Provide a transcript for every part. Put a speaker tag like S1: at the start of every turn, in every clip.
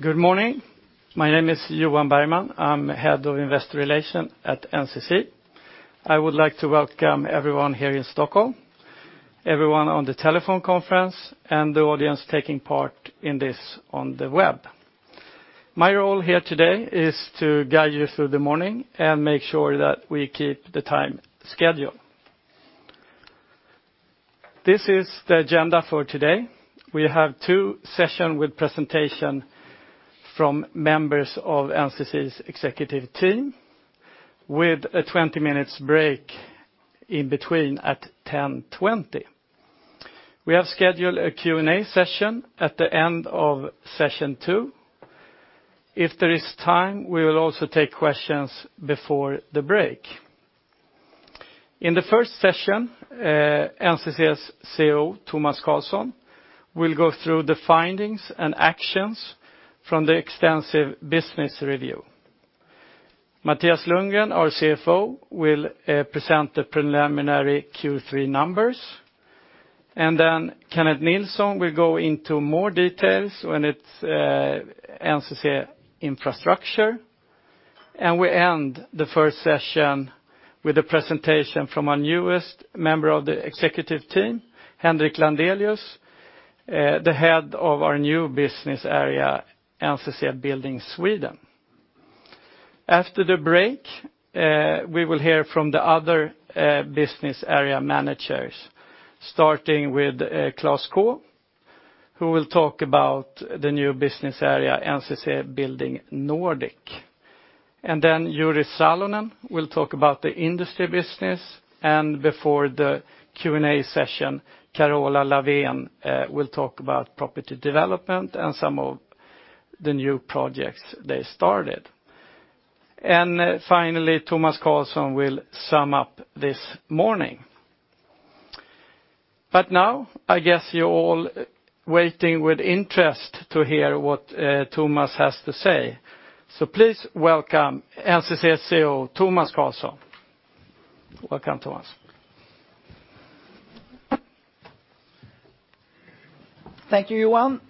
S1: Good morning. My name is Johan Bergman. I'm Head of Investor Relations at NCC. I would like to welcome everyone here in Stockholm, everyone on the telephone conference, and the audience taking part in this on the web. My role here today is to guide you through the morning and make sure that we keep the time schedule. This is the agenda for today. We have two sessions with presentations from members of NCC's executive team, with a 20-minute break in between at 10:20 A.M. We have scheduled a Q&A session at the end of session two. If there is time, we will also take questions before the break. In the first session, NCC's CEO, Tomas Carlsson, will go through the findings and actions from the extensive business review. Mattias Lundgren, our CFO, will present the preliminary Q3 numbers, and then Kenneth Nilsson will go into more details when it's NCC Infrastructure. And we end the first session with a presentation from our newest member of the executive team, Henrik Landelius, the head of our new business area, NCC Building Sweden. After the break, we will hear from the other business area managers, starting with Klaus Kaae, who will talk about the new business area, NCC Building Nordics. And then Jyri Salonen will talk about the industry business, and before the Q&A session, Carola Lavén will talk about Property Development and some of the new projects they started. And finally, Tomas Carlsson will sum up this morning. But now, I guess you're all waiting with interest to hear what Tomas has to say. So please welcome NCC CEO, Tomas Carlsson. Welcome, Tomas.
S2: Thank you, Johan.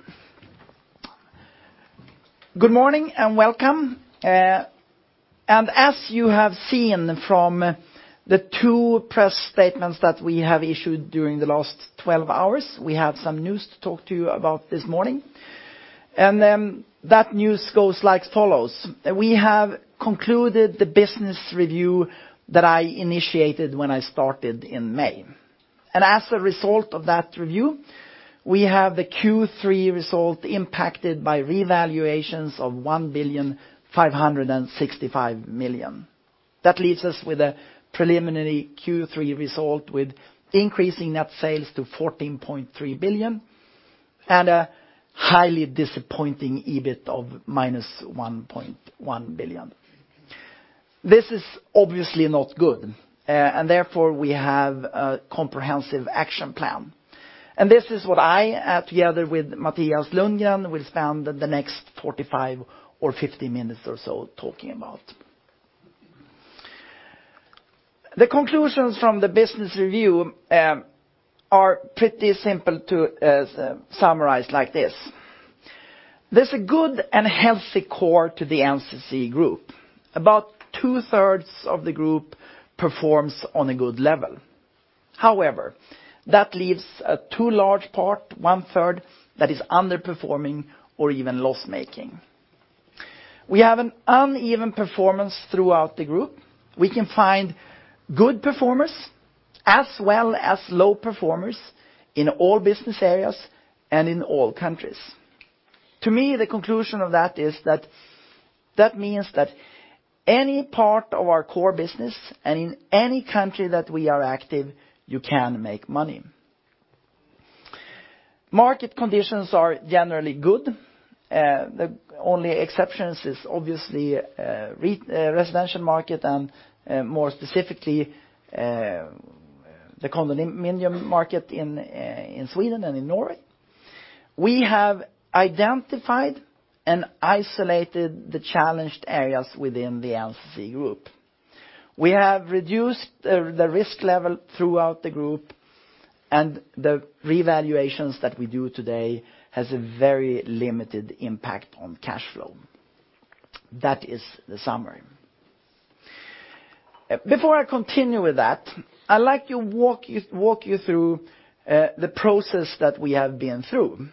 S2: Good morning, and welcome. And as you have seen from the two press statements that we have issued during the last 12 hours, we have some news to talk to you about this morning. And that news goes like follows: We have concluded the business review that I initiated when I started in May. And as a result of that review, we have the Q3 result impacted by revaluations of 1,565 million. That leaves us with a preliminary Q3 result, with increasing net sales to 14.3 billion, and a highly disappointing EBIT of -1.1 billion. This is obviously not good, and therefore, we have a comprehensive action plan. And this is what I, together with Mattias Lundgren, will spend the next 45 or 50 minutes or so talking about. The conclusions from the business review are pretty simple to summarize like this: There's a good and healthy core to the NCC group. About two-thirds of the group performs on a good level. However, that leaves a too large part, one-third, that is underperforming or even loss-making. We have an uneven performance throughout the group. We can find good performers as well as low performers in all business areas and in all countries. To me, the conclusion of that is that, that means that any part of our core business, and in any country that we are active, you can make money. Market conditions are generally good. The only exceptions is obviously, residential market and, more specifically, the condominium market in Sweden and in Norway. We have identified and isolated the challenged areas within the NCC group. We have reduced the risk level throughout the group, and the revaluations that we do today has a very limited impact on cash flow. That is the summary. Before I continue with that, I'd like to walk you through the process that we have been through,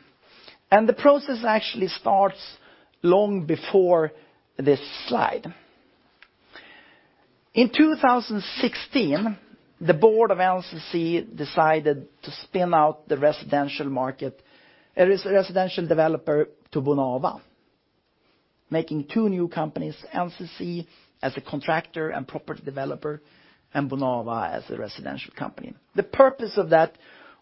S2: and the process actually starts long before this slide. In 2016, the board of NCC decided to spin out the residential market, as a residential developer, to Bonava, making two new companies, NCC, as a contractor and property developer, and Bonava as a residential company. The purpose of that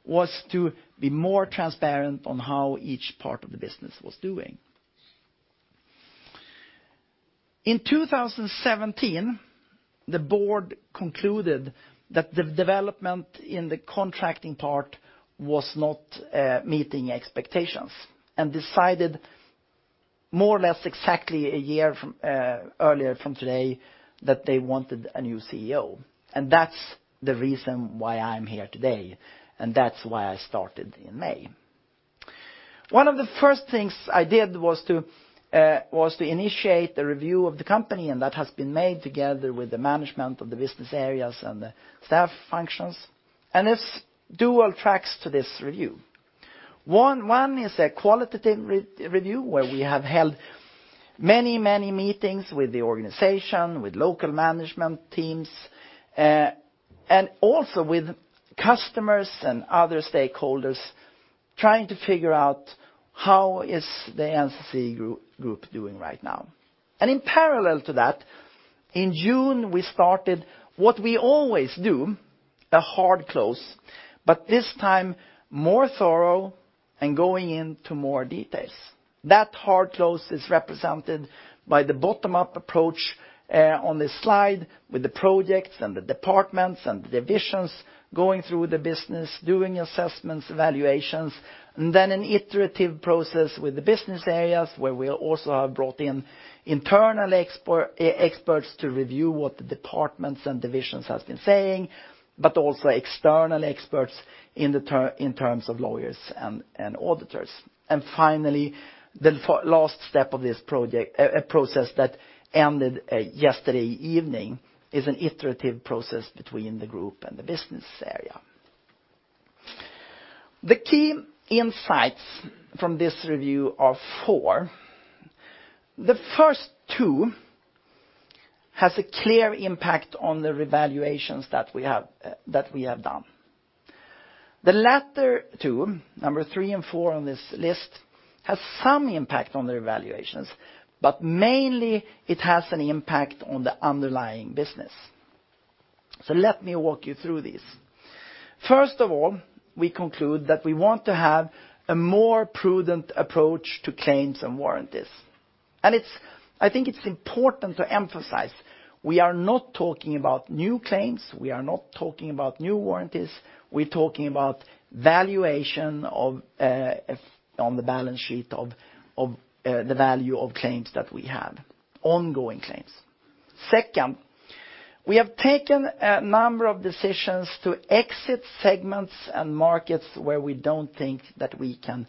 S2: was to be more transparent on how each part of the business was doing. In 2017, the board concluded that the development in the contracting part was not meeting expectations, and decided more or less exactly a year from earlier from today that they wanted a new CEO. And that's the reason why I'm here today, and that's why I started in May. One of the first things I did was to initiate the review of the company, and that has been made together with the management of the business areas and the staff functions. It's dual tracks to this review. One is a qualitative review, where we have held many, many meetings with the organization, with local management teams, and also with customers and other stakeholders, trying to figure out how is the NCC Group doing right now. And in parallel to that, in June, we started what we always do, a hard close, but this time, more thorough and going into more details. That Hard close is represented by the bottom-up approach on this slide, with the projects and the departments and the divisions going through the business, doing assessments, evaluations. And then an iterative process with the business areas, where we also have brought in internal experts to review what the departments and divisions has been saying, but also external experts in terms of lawyers and auditors. And finally, the last step of this project process that ended yesterday evening is an iterative process between the group and the business area. The key insights from this review are four. The first two has a clear impact on the revaluations that we have done. The latter two, number three and four on this list, has some impact on the evaluations, but mainly it has an impact on the underlying business. Let me walk you through this. First of all, we conclude that we want to have a more prudent approach to claims and warranties. And it's. I think it's important to emphasize, we are not talking about new claims, we are not talking about new warranties, we're talking about valuation of, on the balance sheet of, of, the value of claims that we have, ongoing claims. Second, we have taken a number of decisions to exit segments and markets where we don't think that we can,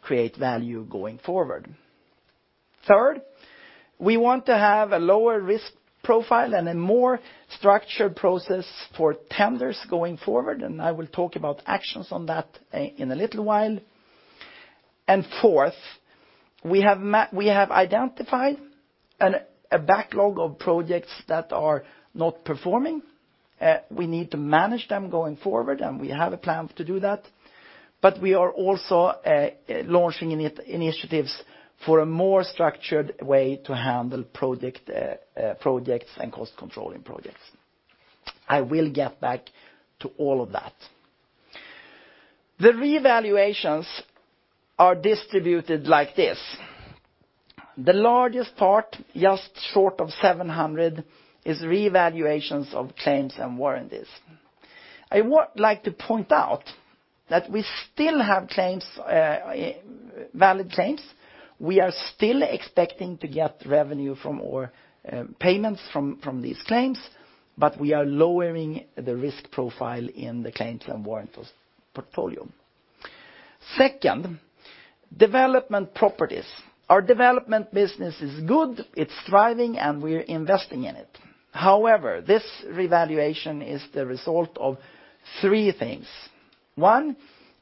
S2: create value going forward. Third, we want to have a lower risk profile and a more structured process for tenders going forward, and I will talk about actions on that, in a little while. And fourth, we have we have identified a backlog of projects that are not performing. We need to manage them going forward, and we have a plan to do that, but we are also launching initiatives for a more structured way to handle projects and cost controlling projects. I will get back to all of that. The revaluations are distributed like this: the largest part, just short of 700, is revaluations of claims and warranties. I would like to point out that we still have claims, valid claims. We are still expecting to get revenue from our payments from these claims, but we are lowering the risk profile in the claims and warranties portfolio. Second, development properties. Our development business is good, it's thriving, and we're investing in it. However, this revaluation is the result of three things. One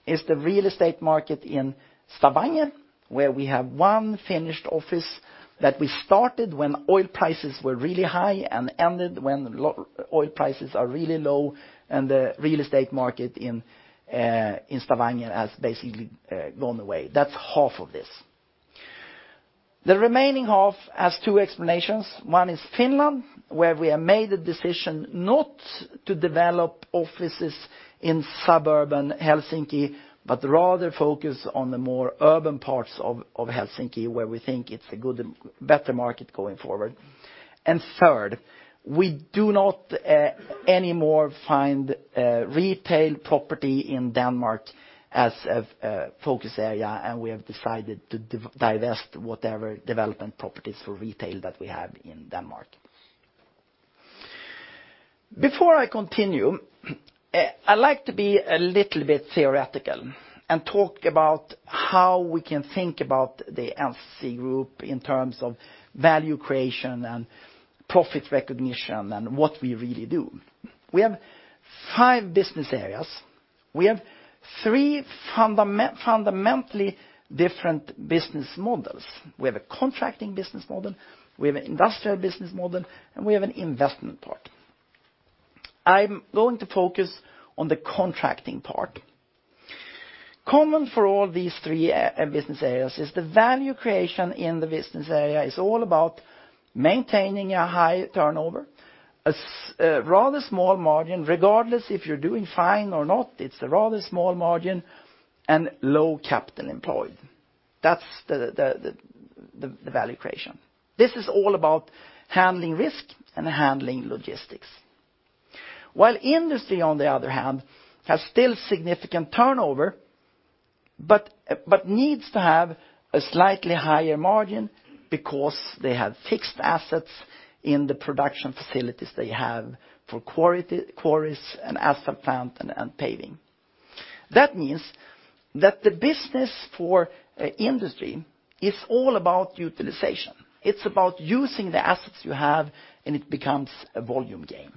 S2: is the real estate market in Stavanger, where we have one finished office that we started when oil prices were really high and ended when oil prices are really low, and the real estate market in Stavanger has basically gone away. That's half of this. The remaining half has two explanations. One is Finland, where we have made a decision not to develop offices in suburban Helsinki, but rather focus on the more urban parts of Helsinki, where we think it's a good, better market going forward. And third, we do not anymore find retail property in Denmark as a focus area, and we have decided to divest whatever development properties for retail that we have in Denmark. Before I continue, I like to be a little bit theoretical, and talk about how we can think about the NCC group in terms of value creation and profit recognition, and what we really do. We have five business areas. We have three fundamentally different business models. We have a contracting business model, we have an industrial business model, and we have an investment part. I'm going to focus on the contracting part. Common for all these three business areas, is the value creation in the business area is all about maintaining a high turnover, a rather small margin. Regardless if you're doing fine or not, it's a rather small margin and low capital employed. That's the value creation. This is all about handling risk and handling logistics. While industry, on the other hand, has still significant turnover, needs to have a slightly higher margin because they have fixed assets in the production facilities they have for quarries and asphalt plant and paving. That means that the business for industry is all about utilization. It's about using the assets you have, and it becomes a volume game.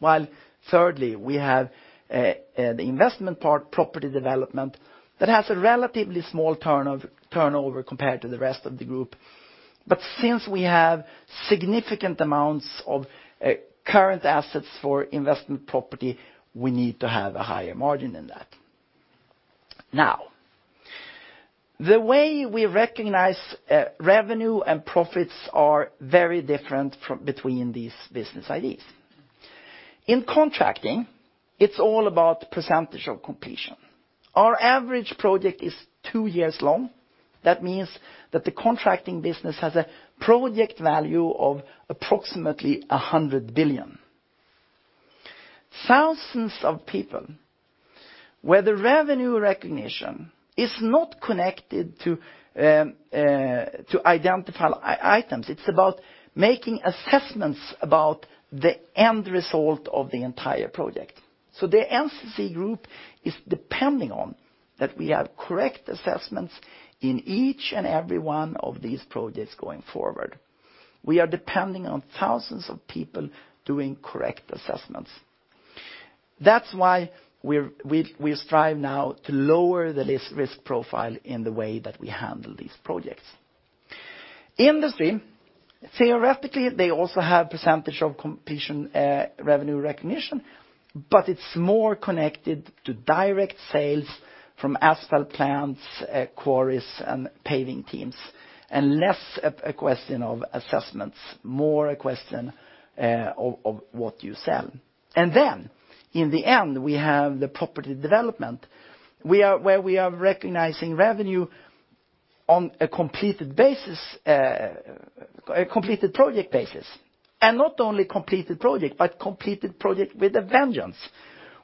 S2: While thirdly, we have the investment part, property development, that has a relatively small turnover compared to the rest of the group. But since we have significant amounts of current assets for investment property, we need to have a higher margin than that. Now, the way we recognize revenue and profits are very different from between these business IDs. In contracting, it's all about percentage of completion. Our average project is two years long. That means that the contracting business has a project value of approximately 100 billion. Thousands of people, where the revenue recognition is not connected to identified items. It's about making assessments about the end result of the entire project. So the NCC group is depending on that we have correct assessments in each and every one of these projects going forward. We are depending on thousands of people doing correct assessments. That's why we strive now to lower the risk profile in the way that we handle these projects. Industry, theoretically, they also have percentage of completion revenue recognition, but it's more connected to direct sales from asphalt plants, quarries, and paving teams, and less a question of assessments, more a question of what you sell. And then, in the end, we have the Property Development. We are where we are recognizing revenue on a completed basis, a completed project basis, and not only completed project, but completed project with a vengeance.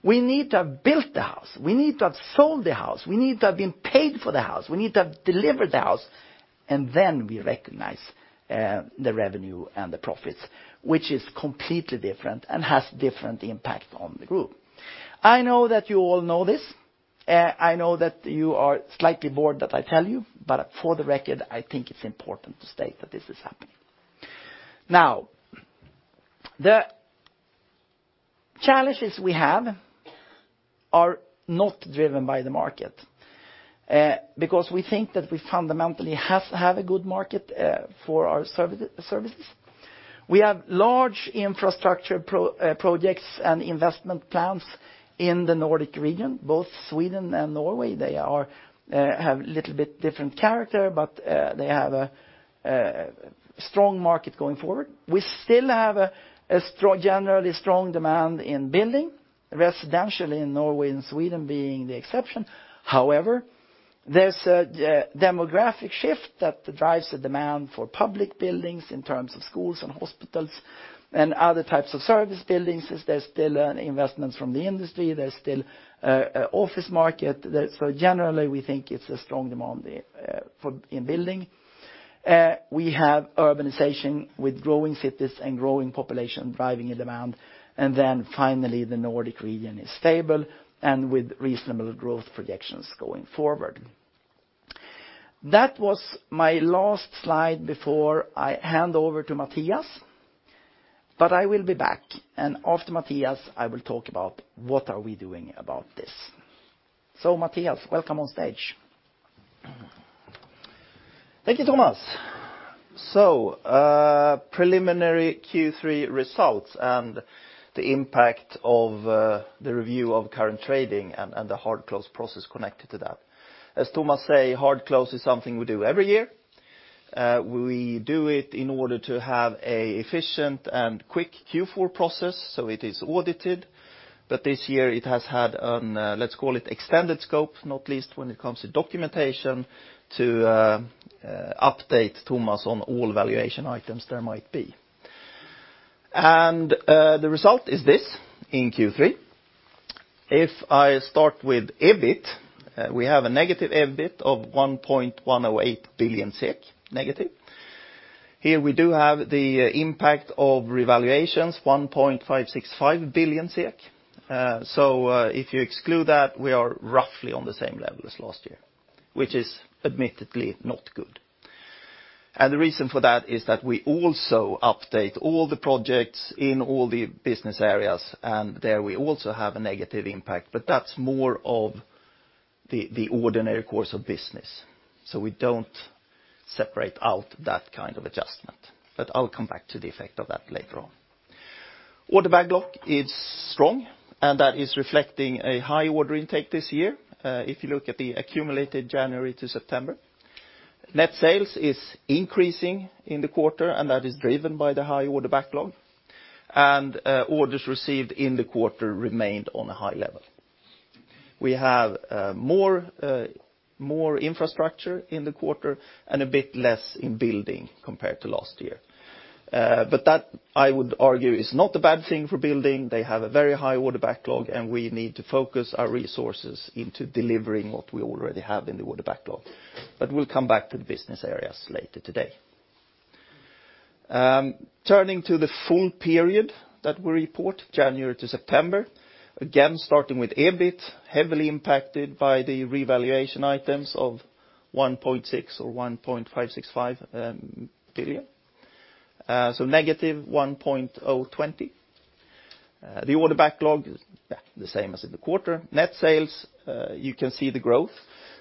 S2: We need to have built the house, we need to have sold the house, we need to have been paid for the house, we need to have delivered the house, and then we recognize the revenue and the profits, which is completely different and has different impact on the group. I know that you all know this, I know that you are slightly bored that I tell you, but for the record, I think it's important to state that this is happening. Now, the challenges we have are not driven by the market, because we think that we fundamentally have to have a good market, for our services. We have large infrastructure projects and investment plans in the Nordic region, both Sweden and Norway. They have a little bit different character, but they have a strong market going forward. We still have a strong, generally strong demand in building, residentially in Norway and Sweden being the exception. However, there's a demographic shift that drives the demand for public buildings in terms of schools and hospitals, and other types of service buildings, as there's still investments from the industry, there's still a office market. So generally, we think it's a strong demand for, in building. We have urbanization with growing cities and growing population driving the demand. Finally, the Nordic region is stable and with reasonable growth projections going forward. That was my last slide before I hand over to Mattias, but I will be back. After Mattias, I will talk about what are we doing about this. Mattias, welcome on stage.
S3: Thank you, Tomas. So, preliminary Q3 results and the impact of the review of current trading and the Hard close process connected to that. As Tomas say, Hard close is something we do every year. We do it in order to have a efficient and quick Q4 process, so it is audited. But this year, it has had an, let's call it extended scope, not least when it comes to documentation, to update Tomas on all valuation items there might be. And the result is this in Q3. If I start with EBIT, we have a negative EBIT of 1.108 billion, negative. Here, we do have the impact of revaluations, 1.565 billion. So, if you exclude that, we are roughly on the same level as last year, which is admittedly not good. The reason for that is that we also update all the projects in all the business areas, and there we also have a negative impact, but that's more of the ordinary course of business, so we don't separate out that kind of adjustment. I'll come back to the effect of that later on. Order backlog is strong, and that is reflecting a high order intake this year, if you look at the accumulated January to September. Net sales is increasing in the quarter, and that is driven by the high order backlog, and orders received in the quarter remained on a high level. We have more infrastructure in the quarter and a bit less in building compared to last year. That, I would argue, is not a bad thing for building. They have a very high order backlog, and we need to focus our resources into delivering what we already have in the order backlog. But we'll come back to the business areas later today. Turning to the full period that we report, January to September, again, starting with EBIT, heavily impacted by the revaluation items of S 1.6 billion or 1.565 billion. So negative -1.020 billion. The order backlog, yeah, the same as in the quarter. Net sales, you can see the growth,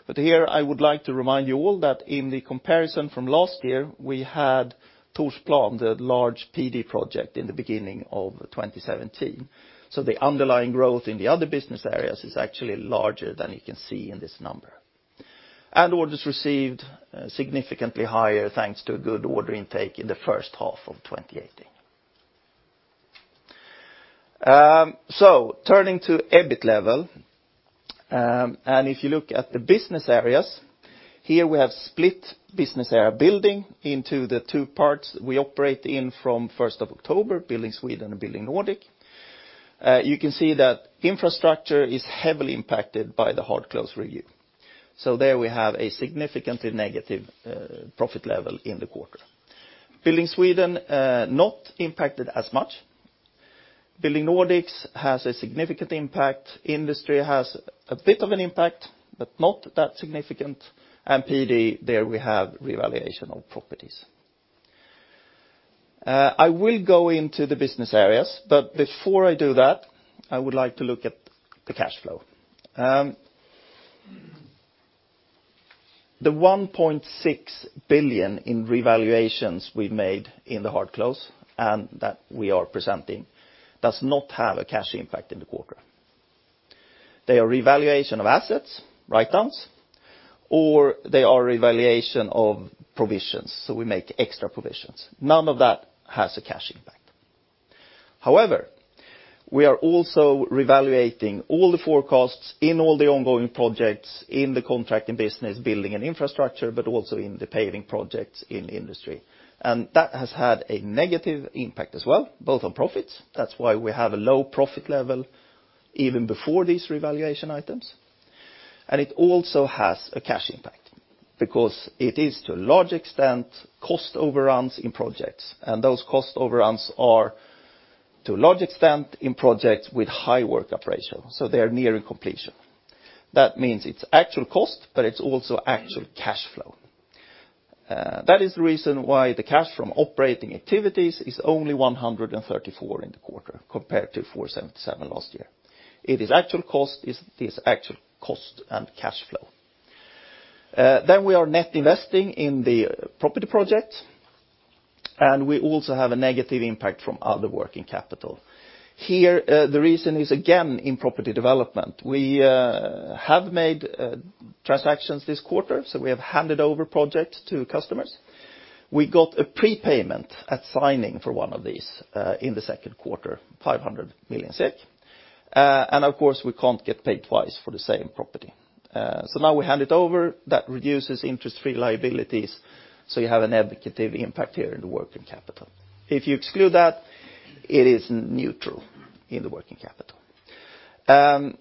S3: but here I would like to remind you all that in the comparison from last year, we had Torsplan, the large PD project in the beginning of 2017. So the underlying growth in the other business areas is actually larger than you can see in this number. And orders received, significantly higher, thanks to a good order intake in the first half of 2018. Turning to EBIT level, and if you look at the business areas, here we have split business area Building into the two parts we operate in from 1st of October, Building Sweden and Building Nordics. You can see that Infrastructure is heavily impacted by the hard close review. There we have a significantly negative profit level in the quarter. Building Sweden, not impacted as much. Building Nordics has a significant impact, Industry has a bit of an impact, but not that significant, and PD, there we have revaluation of properties. I will go into the business areas, but before I do that, I would like to look at the cash flow. The 1.6 billion in revaluations we made in the hard close, and that we are presenting, does not have a cash impact in the quarter. They are revaluation of assets, write-downs, or they are revaluation of provisions, so we make extra provisions. None of that has a cash impact. However, we are also reevaluating all the forecasts in all the ongoing projects, in the contracting business, building and infrastructure, but also in the paving projects in industry. That has had a negative impact as well, both on profits, that's why we have a low profit level even before these revaluation items, and it also has a cash impact, because it is, to a large extent, cost overruns in projects, and those cost overruns are, to a large extent, in projects with high work operation, so they are nearing completion. That means it's actual cost, but it's also actual cash flow. That is the reason why the cash from operating activities is only 134 in the quarter, compared to 477 last year. It is actual cost, it is actual cost and cash flow. Then we are net investing in the property project, and we also have a negative impact from other working capital. Here, the reason is, again, in Property Development. We have made transactions this quarter, so we have handed over projects to customers. We got a prepayment at signing for one of these in the second quarter, 500 million SEK. And of course, we can't get paid twice for the same property. So now we hand it over, that reduces interest-free liabilities, so you have a negative impact here in the working capital. If you exclude that, it is neutral in the working capital.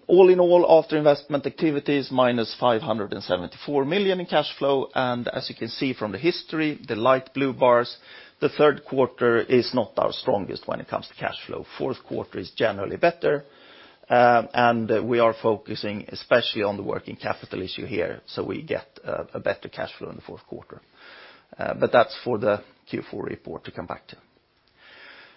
S3: All in all, after investment activities, -574 million in cash flow, and as you can see from the history, the light blue bars, the third quarter is not our strongest when it comes to cash flow. Fourth quarter is generally better, and we are focusing especially on the working capital issue here, so we get a better cash flow in the fourth quarter. But that's for the Q4 report to come back to.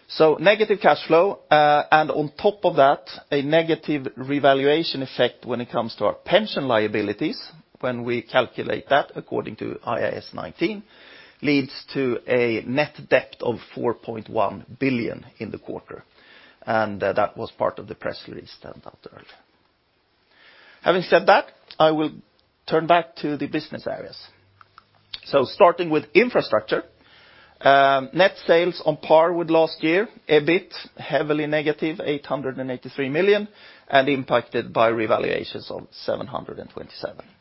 S3: So negative cash flow, and on top of that, a negative revaluation effect when it comes to our pension liabilities, when we calculate that according to IAS 19, leads to a net debt of 4.1 billion in the quarter, and that was part of the press release sent out earlier. Having said that, I will turn back to the business areas. Starting with infrastructure, net sales on par with last year, EBIT level -883 million, and impacted by revaluations of 727 million.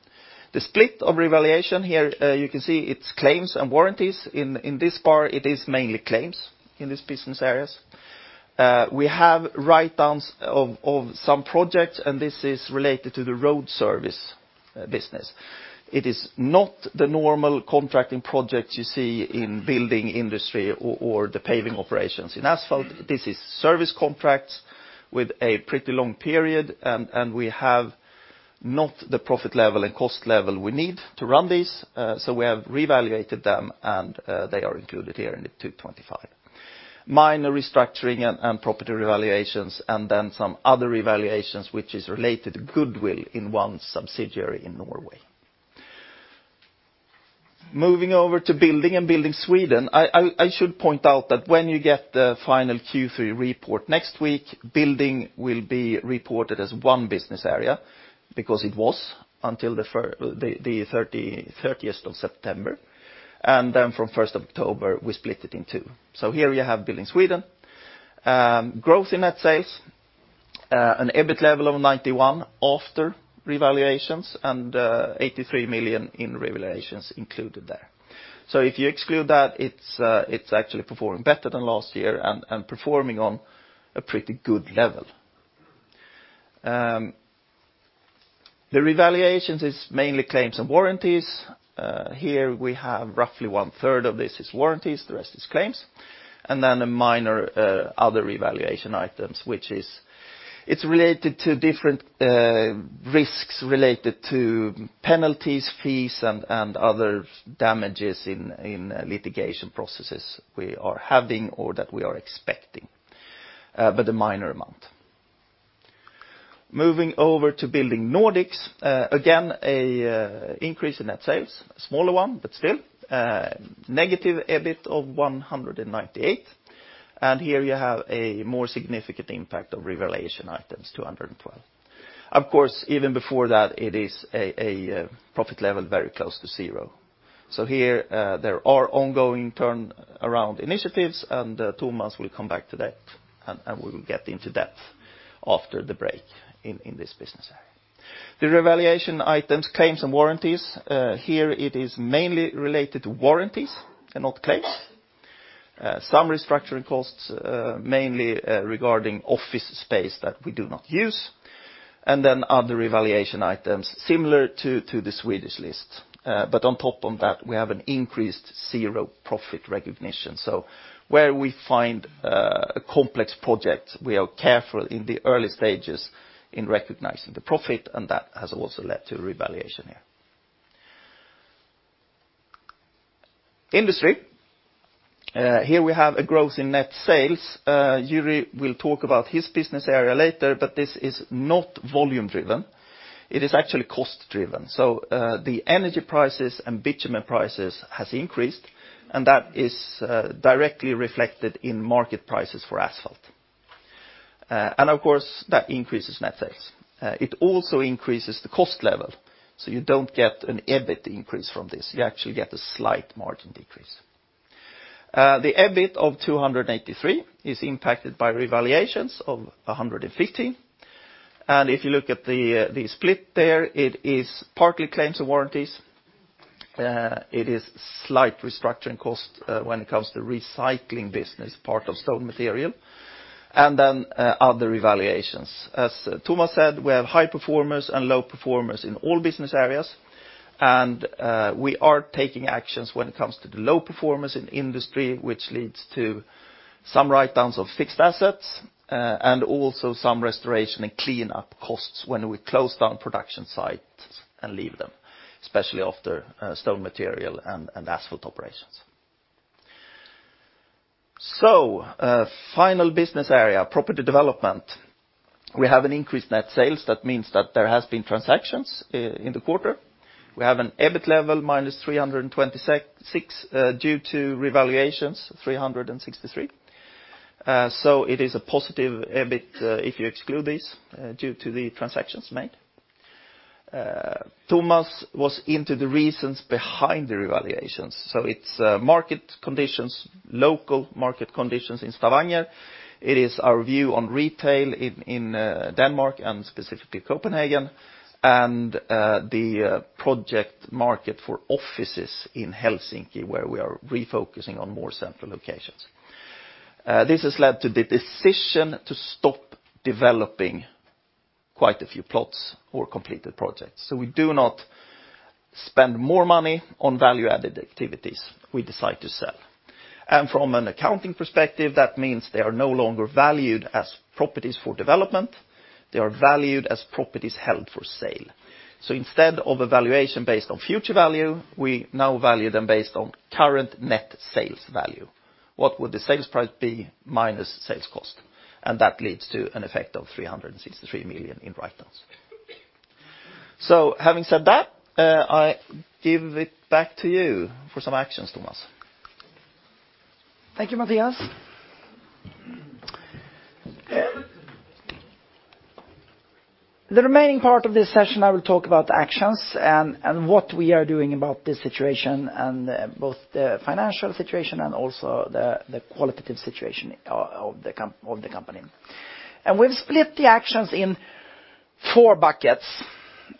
S3: The split of revaluation here, you can see it's claims and warranties. In this bar, it is mainly claims in this business areas. We have write-downs of some projects, and this is related to the Road Services business. It is not the normal contracting project you see in building industry or the paving operations. In asphalt, this is service contracts with a pretty long period, and we have not the profit level and cost level we need to run this, so we have revaluated them, and they are included here in the 225 million. Minor restructuring and property revaluations, and then some other revaluations, which is related to goodwill in one subsidiary in Norway. Moving over to Building and Building Sweden, I should point out that when you get the final Q3 report next week, Building will be reported as one business area, because it was until the 30th of September, and then from 1st of October, we split it in two. Here you have Building Sweden. Growth in net sales, an EBIT level 91 million after revaluations, and 83 million in revaluations included there. If you exclude that, it's actually performing better than last year and performing on a pretty good level. The revaluations is mainly claims and warranties. Here we have roughly one third of this is warranties, the rest is claims. Then a minor, other revaluation items, which is related to different risks related to penalties, fees, and other damages in litigation processes we are having or that we are expecting, but a minor amount. Moving over to Building Nordics, again, an increase in net sales, a smaller one, but still, negative EBIT of 198 million. Here you have a more significant impact of revaluation items, 212 million. Of course, even before that, it is a profit level very close to zero. Here, there are ongoing turnaround initiatives, and Tomas will come back to that, and we will get into depth after the break in this business area. The revaluation items, claims and warranties, here it is mainly related to warranties and not claims. Some restructuring costs, mainly, regarding office space that we do not use, and then other revaluation items, similar to the Swedish list. But on top of that, we have an increased zero profit recognition. So where we find a complex project, we are careful in the early stages in recognizing the profit, and that has also led to a revaluation here. Industry. Here we have a growth in net sales. Jyri will talk about his business area later, but this is not volume-driven. It is actually cost-driven. So the energy prices and bitumen prices has increased, and that is directly reflected in market prices for asphalt. And of course, that increases net sales. It also increases the cost level, so you don't get an EBIT increase from this. You actually get a slight margin decrease. The EBIT of 283 is impacted by revaluations of 150. If you look at the split there, it is partly claims and warranties. It is slight restructuring costs when it comes to recycling business, part of stone material, and then other revaluations. As Tomas said, we have high performers and low performers in all business areas, and we are taking actions when it comes to the low performers in industry, which leads to some write-downs of fixed assets, and also some restoration and cleanup costs when we close down production sites and leave them, especially after stone material and asphalt operations. Final business area, Property Development. We have an increased net sales. That means that there has been transactions in the quarter. We have an EBIT level -326 million, due to revaluations, 363 million. It is a positive EBIT if you exclude this, due to the transactions made. Tomas was into the reasons behind the revaluations. It's market conditions, local market conditions in Stavanger. It is our view on retail in Denmark, and specifically Copenhagen, and the project market for offices in Helsinki, where we are refocusing on more central locations. This has led to the decision to stop developing quite a few plots or completed projects. We do not spend more money on value-added activities we decide to sell. From an accounting perspective, that means they are no longer valued as properties for development, they are valued as properties held for sale. So instead of a valuation based on future value, we now value them based on current net sales value. What would the sales price be minus sales cost? And that leads to an effect of 363 million in write-downs. So having said that, I give it back to you for some actions, Tomas.
S2: Thank you, Mattias. The remaining part of this session, I will talk about actions and what we are doing about this situation, and both the financial situation and also the qualitative situation of the company. We've split the actions in four buckets.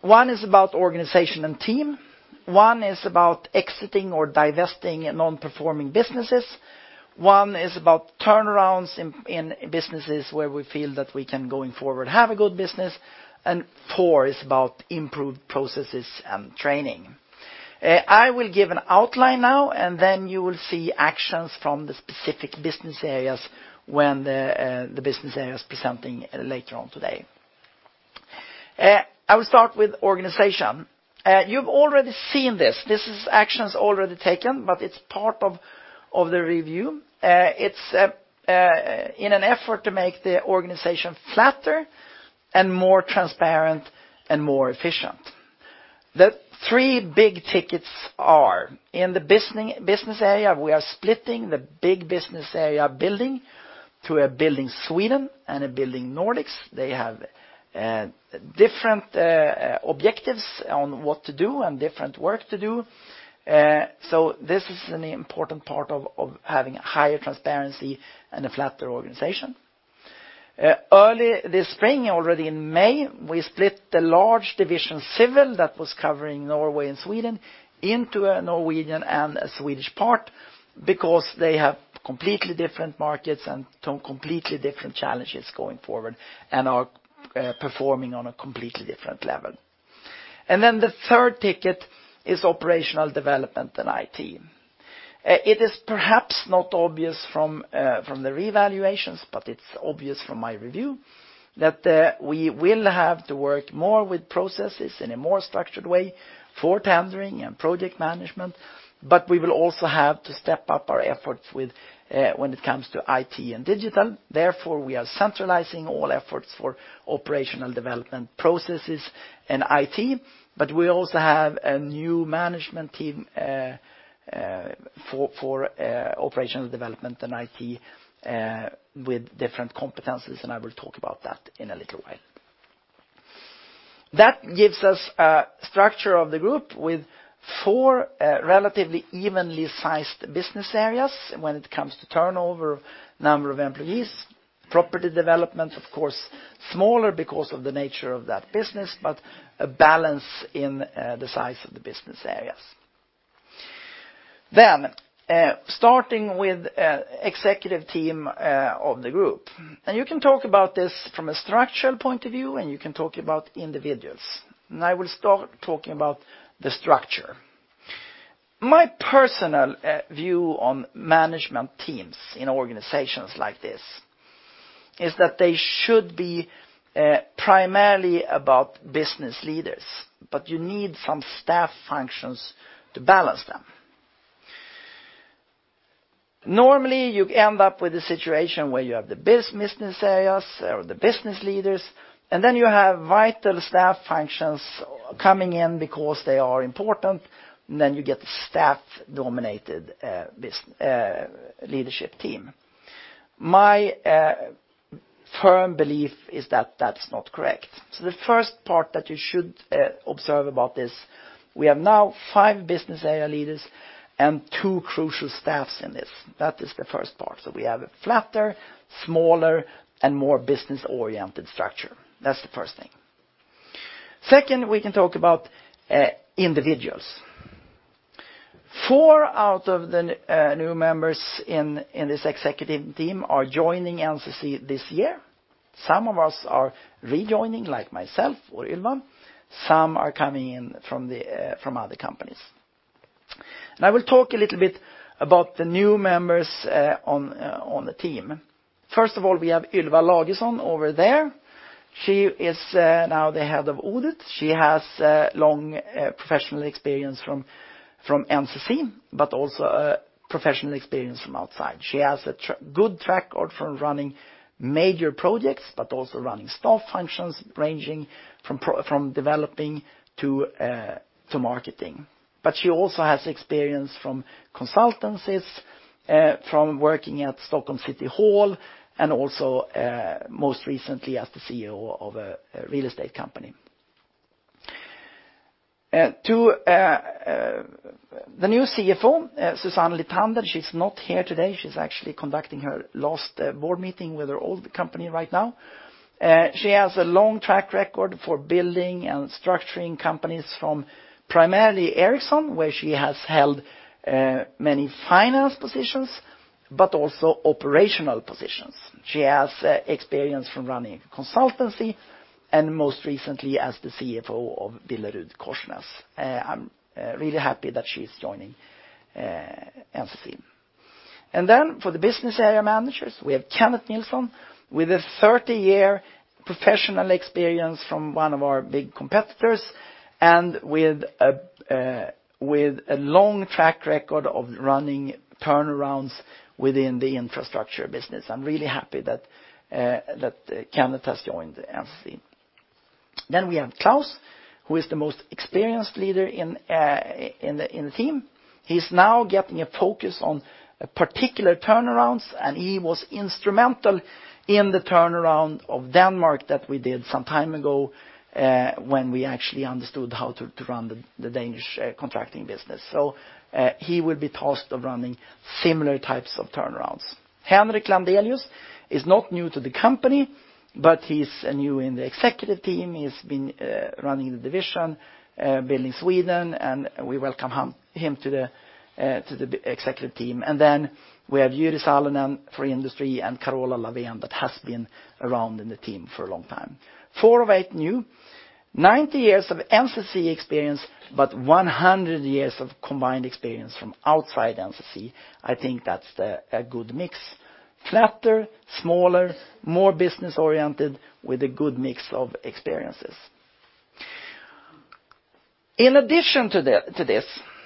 S2: One is about organization and team, one is about exiting or divesting non-performing businesses, one is about turnarounds in businesses where we feel that we can, going forward, have a good business, and four is about improved processes and training. I will give an outline now, and then you will see actions from the specific business areas when the business area is presenting later on today. I will start with organization. You've already seen this. This is actions already taken, but it's part of the review. It's in an effort to make the organization flatter and more transparent and more efficient. The three big tickets are: in the business area, we are splitting the big business area Building to a Building Sweden and a Building Nordics. They have different objectives on what to do and different work to do. So this is an important part of having higher transparency and a flatter organization. Early this spring, already in May, we split the large division, Civil, that was covering Norway and Sweden, into a Norwegian and a Swedish part, because they have completely different markets and some completely different challenges going forward, and are performing on a completely different level. And then the third ticket is Operational Development and IT. It is perhaps not obvious from, from the revaluations, but it's obvious from my review, that, we will have to work more with processes in a more structured way for tendering and project management, but we will also have to step up our efforts with, when it comes to IT and digital. Therefore, we are centralizing all efforts for operational development processes and IT, but we also have a new management team for operational development and IT, with different competencies, and I will talk about that in a little while. That gives us a structure of the group with four, relatively evenly sized business areas when it comes to turnover, number of employees. Property Development, of course, smaller because of the nature of that business, but a balance in, the size of the business areas. Starting with executive team of the group. You can talk about this from a structural point of view, and you can talk about individuals, and I will start talking about the structure. My personal view on management teams in organizations like this is that they should be primarily about business leaders, but you need some staff functions to balance them. Normally, you end up with a situation where you have the business areas or the business leaders, and then you have vital staff functions coming in because they are important, and then you get the staff-dominated leadership team. My firm belief is that that's not correct. The first part that you should observe about this, we have now five business area leaders and two crucial staffs in this. That is the first part. So we have a flatter, smaller, and more business-oriented structure. That's the first thing. Second, we can talk about individuals. Four out of the new members in this executive team are joining NCC this year. Some of us are rejoining, like myself or Ylva. Some are coming in from the from other companies. And I will talk a little bit about the new members on the team. First of all, we have Ylva Lagesson over there. She is now the head of audit. She has long professional experience from NCC, but also professional experience from outside. She has a good track record for running major projects, but also running staff functions, ranging from developing to marketing. But she also has experience from consultancies, from working at Stockholm City Hall, and also, most recently as the CEO of a real estate company. To the new CFO, Susanne Lithander, she's not here today. She's actually conducting her last board meeting with her old company right now. She has a long track record for building and structuring companies from primarily Ericsson, where she has held many finance positions, but also operational positions. She has experience from running a consultancy, and most recently as the CFO of BillerudKorsnäs. I'm really happy that she's joining NCC. And then for the business area managers, we have Kenneth Nilsson, with a 30-year professional experience from one of our big competitors, and with a long track record of running turnarounds within the infrastructure business. I'm really happy that that Kenneth has joined NCC. Then we have Klaus, who is the most experienced leader in, in the, in the team. He's now getting a focus on particular turnarounds, and he was instrumental in the turnaround of Denmark that we did some time ago, when we actually understood how to, to run the, the Danish, contracting business. So, he will be tasked of running similar types of turnarounds. Henrik Landelius is not new to the company, but he's new in the executive team. He's been, running the division, Building Sweden, and we welcome him, him to the, to the executive team. And then we have Jyri Salonen for industry, and Carola Lavén, that has been around in the team for a long time. Four of eight new, 90 years of NCC experience, but 100 years of combined experience from outside NCC. I think that's a good mix. Flatter, smaller, more business-oriented, with a good mix of experiences. In addition to this,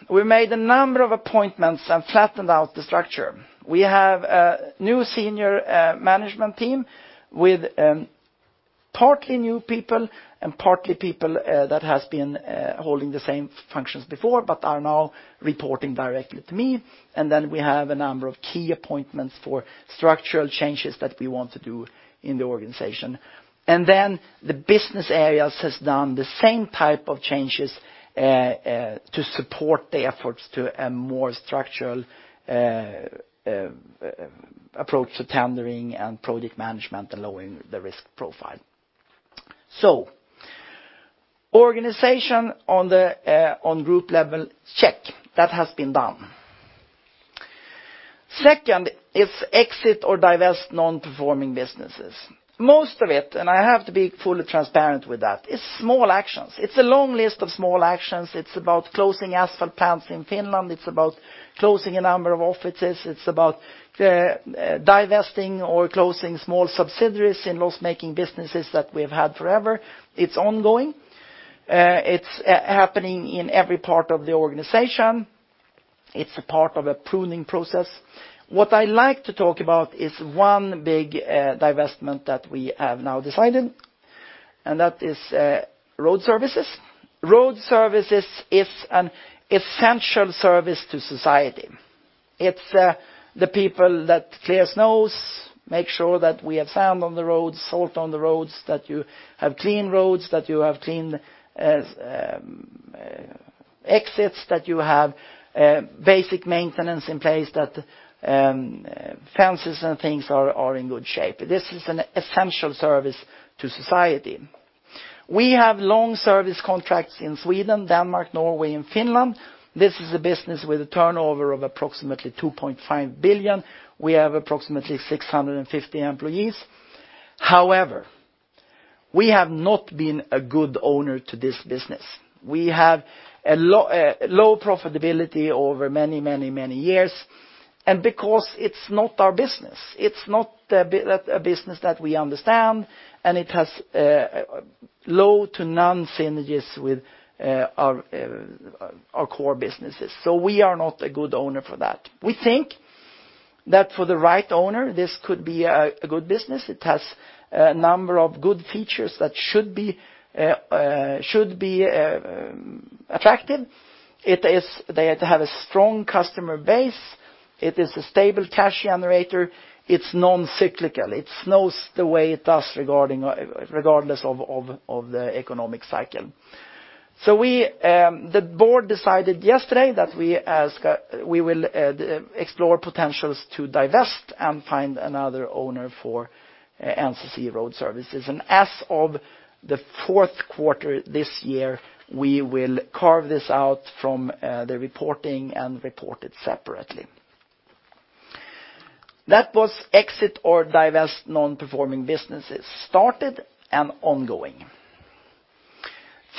S2: we made a number of appointments and flattened out the structure. We have a new senior management team with partly new people and partly people that has been holding the same functions before, but are now reporting directly to me. And then we have a number of key appointments for structural changes that we want to do in the organization. And then the business areas has done the same type of changes to support the efforts to a more structural approach to tendering and project management and lowering the risk profile. So organization on the group level, check. That has been done.... Second, it's exit or divest non-performing businesses. Most of it, and I have to be fully transparent with that, is small actions. It's a long list of small actions. It's about closing asphalt plants in Finland. It's about closing a number of offices. It's about, divesting or closing small subsidiaries in loss-making businesses that we've had forever. It's ongoing. It's happening in every part of the organization. It's a part of a pruning process. What I like to talk about is one big, divestment that we have now decided, and that is, Road Services. Road Services is an essential service to society. It's the people that clear snows, make sure that we have sand on the roads, salt on the roads, that you have clean roads, that you have clean exits, that you have basic maintenance in place, that fences and things are in good shape. This is an essential service to society. We have long service contracts in Sweden, Denmark, Norway, and Finland. This is a business with a turnover of approximately 2.5 billion. We have approximately 650 employees. However, we have not been a good owner to this business. We have low profitability over many, many, many years, and because it's not our business, it's not a business that we understand, and it has low to none synergies with our core businesses, so we are not a good owner for that. We think that for the right owner, this could be a good business. It has a number of good features that should be attractive. They have a strong customer base. It is a stable cash generator. It's non-cyclical. It snows the way it does regardless of the economic cycle. We, the board, decided yesterday that we will explore potentials to divest and find another owner for NCC Road Services. As of the fourth quarter this year, we will carve this out from the reporting and report it separately. That was exit or divest non-performing businesses, started and ongoing.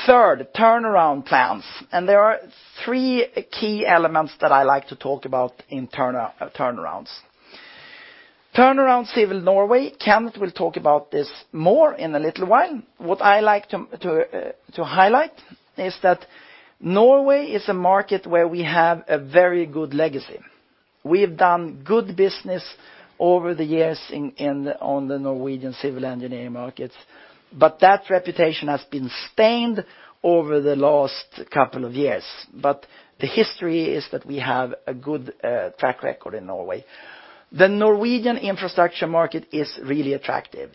S2: Third, turnaround plans, and there are three key elements that I like to talk about in turnarounds. Turnaround Civil Norway, Kenneth will talk about this more in a little while. What I like to highlight is that Norway is a market where we have a very good legacy. We have done good business over the years in the Norwegian Civil Engineering markets, but that reputation has been stained over the last couple of years. But the history is that we have a good track record in Norway. The Norwegian infrastructure market is really attractive.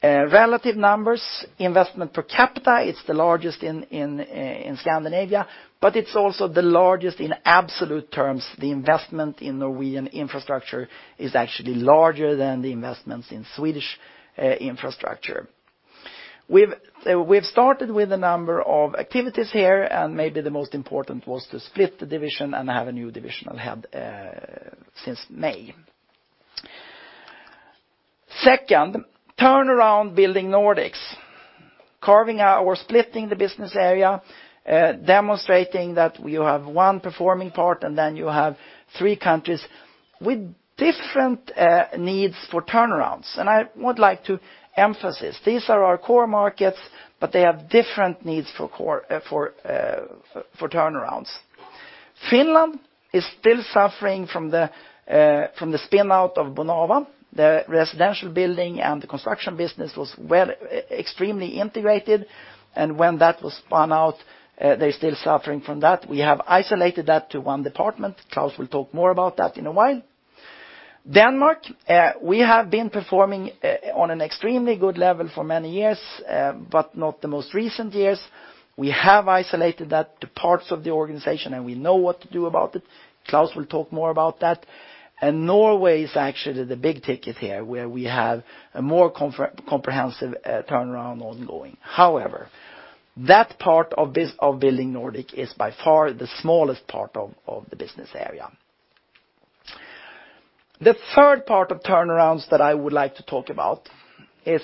S2: In relative numbers, investment per capita, it's the largest in Scandinavia, but it's also the largest in absolute terms. The investment in Norwegian infrastructure is actually larger than the investments in Swedish infrastructure. We've started with a number of activities here, and maybe the most important was to split the division and have a new divisional head since May. Second, turnaround Building Nordics, carving out or splitting the business area, demonstrating that you have one performing part, and then you have three countries with different needs for turnarounds. I would like to emphasize, these are our core markets, but they have different needs for turnarounds. Finland is still suffering from the spin out of Bonava. The residential building and the construction business was well extremely integrated, and when that was spun out, they're still suffering from that. We have isolated that to one department. Klaus will talk more about that in a while. Denmark, we have been performing on an extremely good level for many years, but not the most recent years. We have isolated that to parts of the organization, and we know what to do about it. Klaus will talk more about that. And Norway is actually the big ticket here, where we have a more comprehensive turnaround ongoing. However, that part of this, of Building Nordics is by far the smallest part of, of the business area. The third part of turnarounds that I would like to talk about is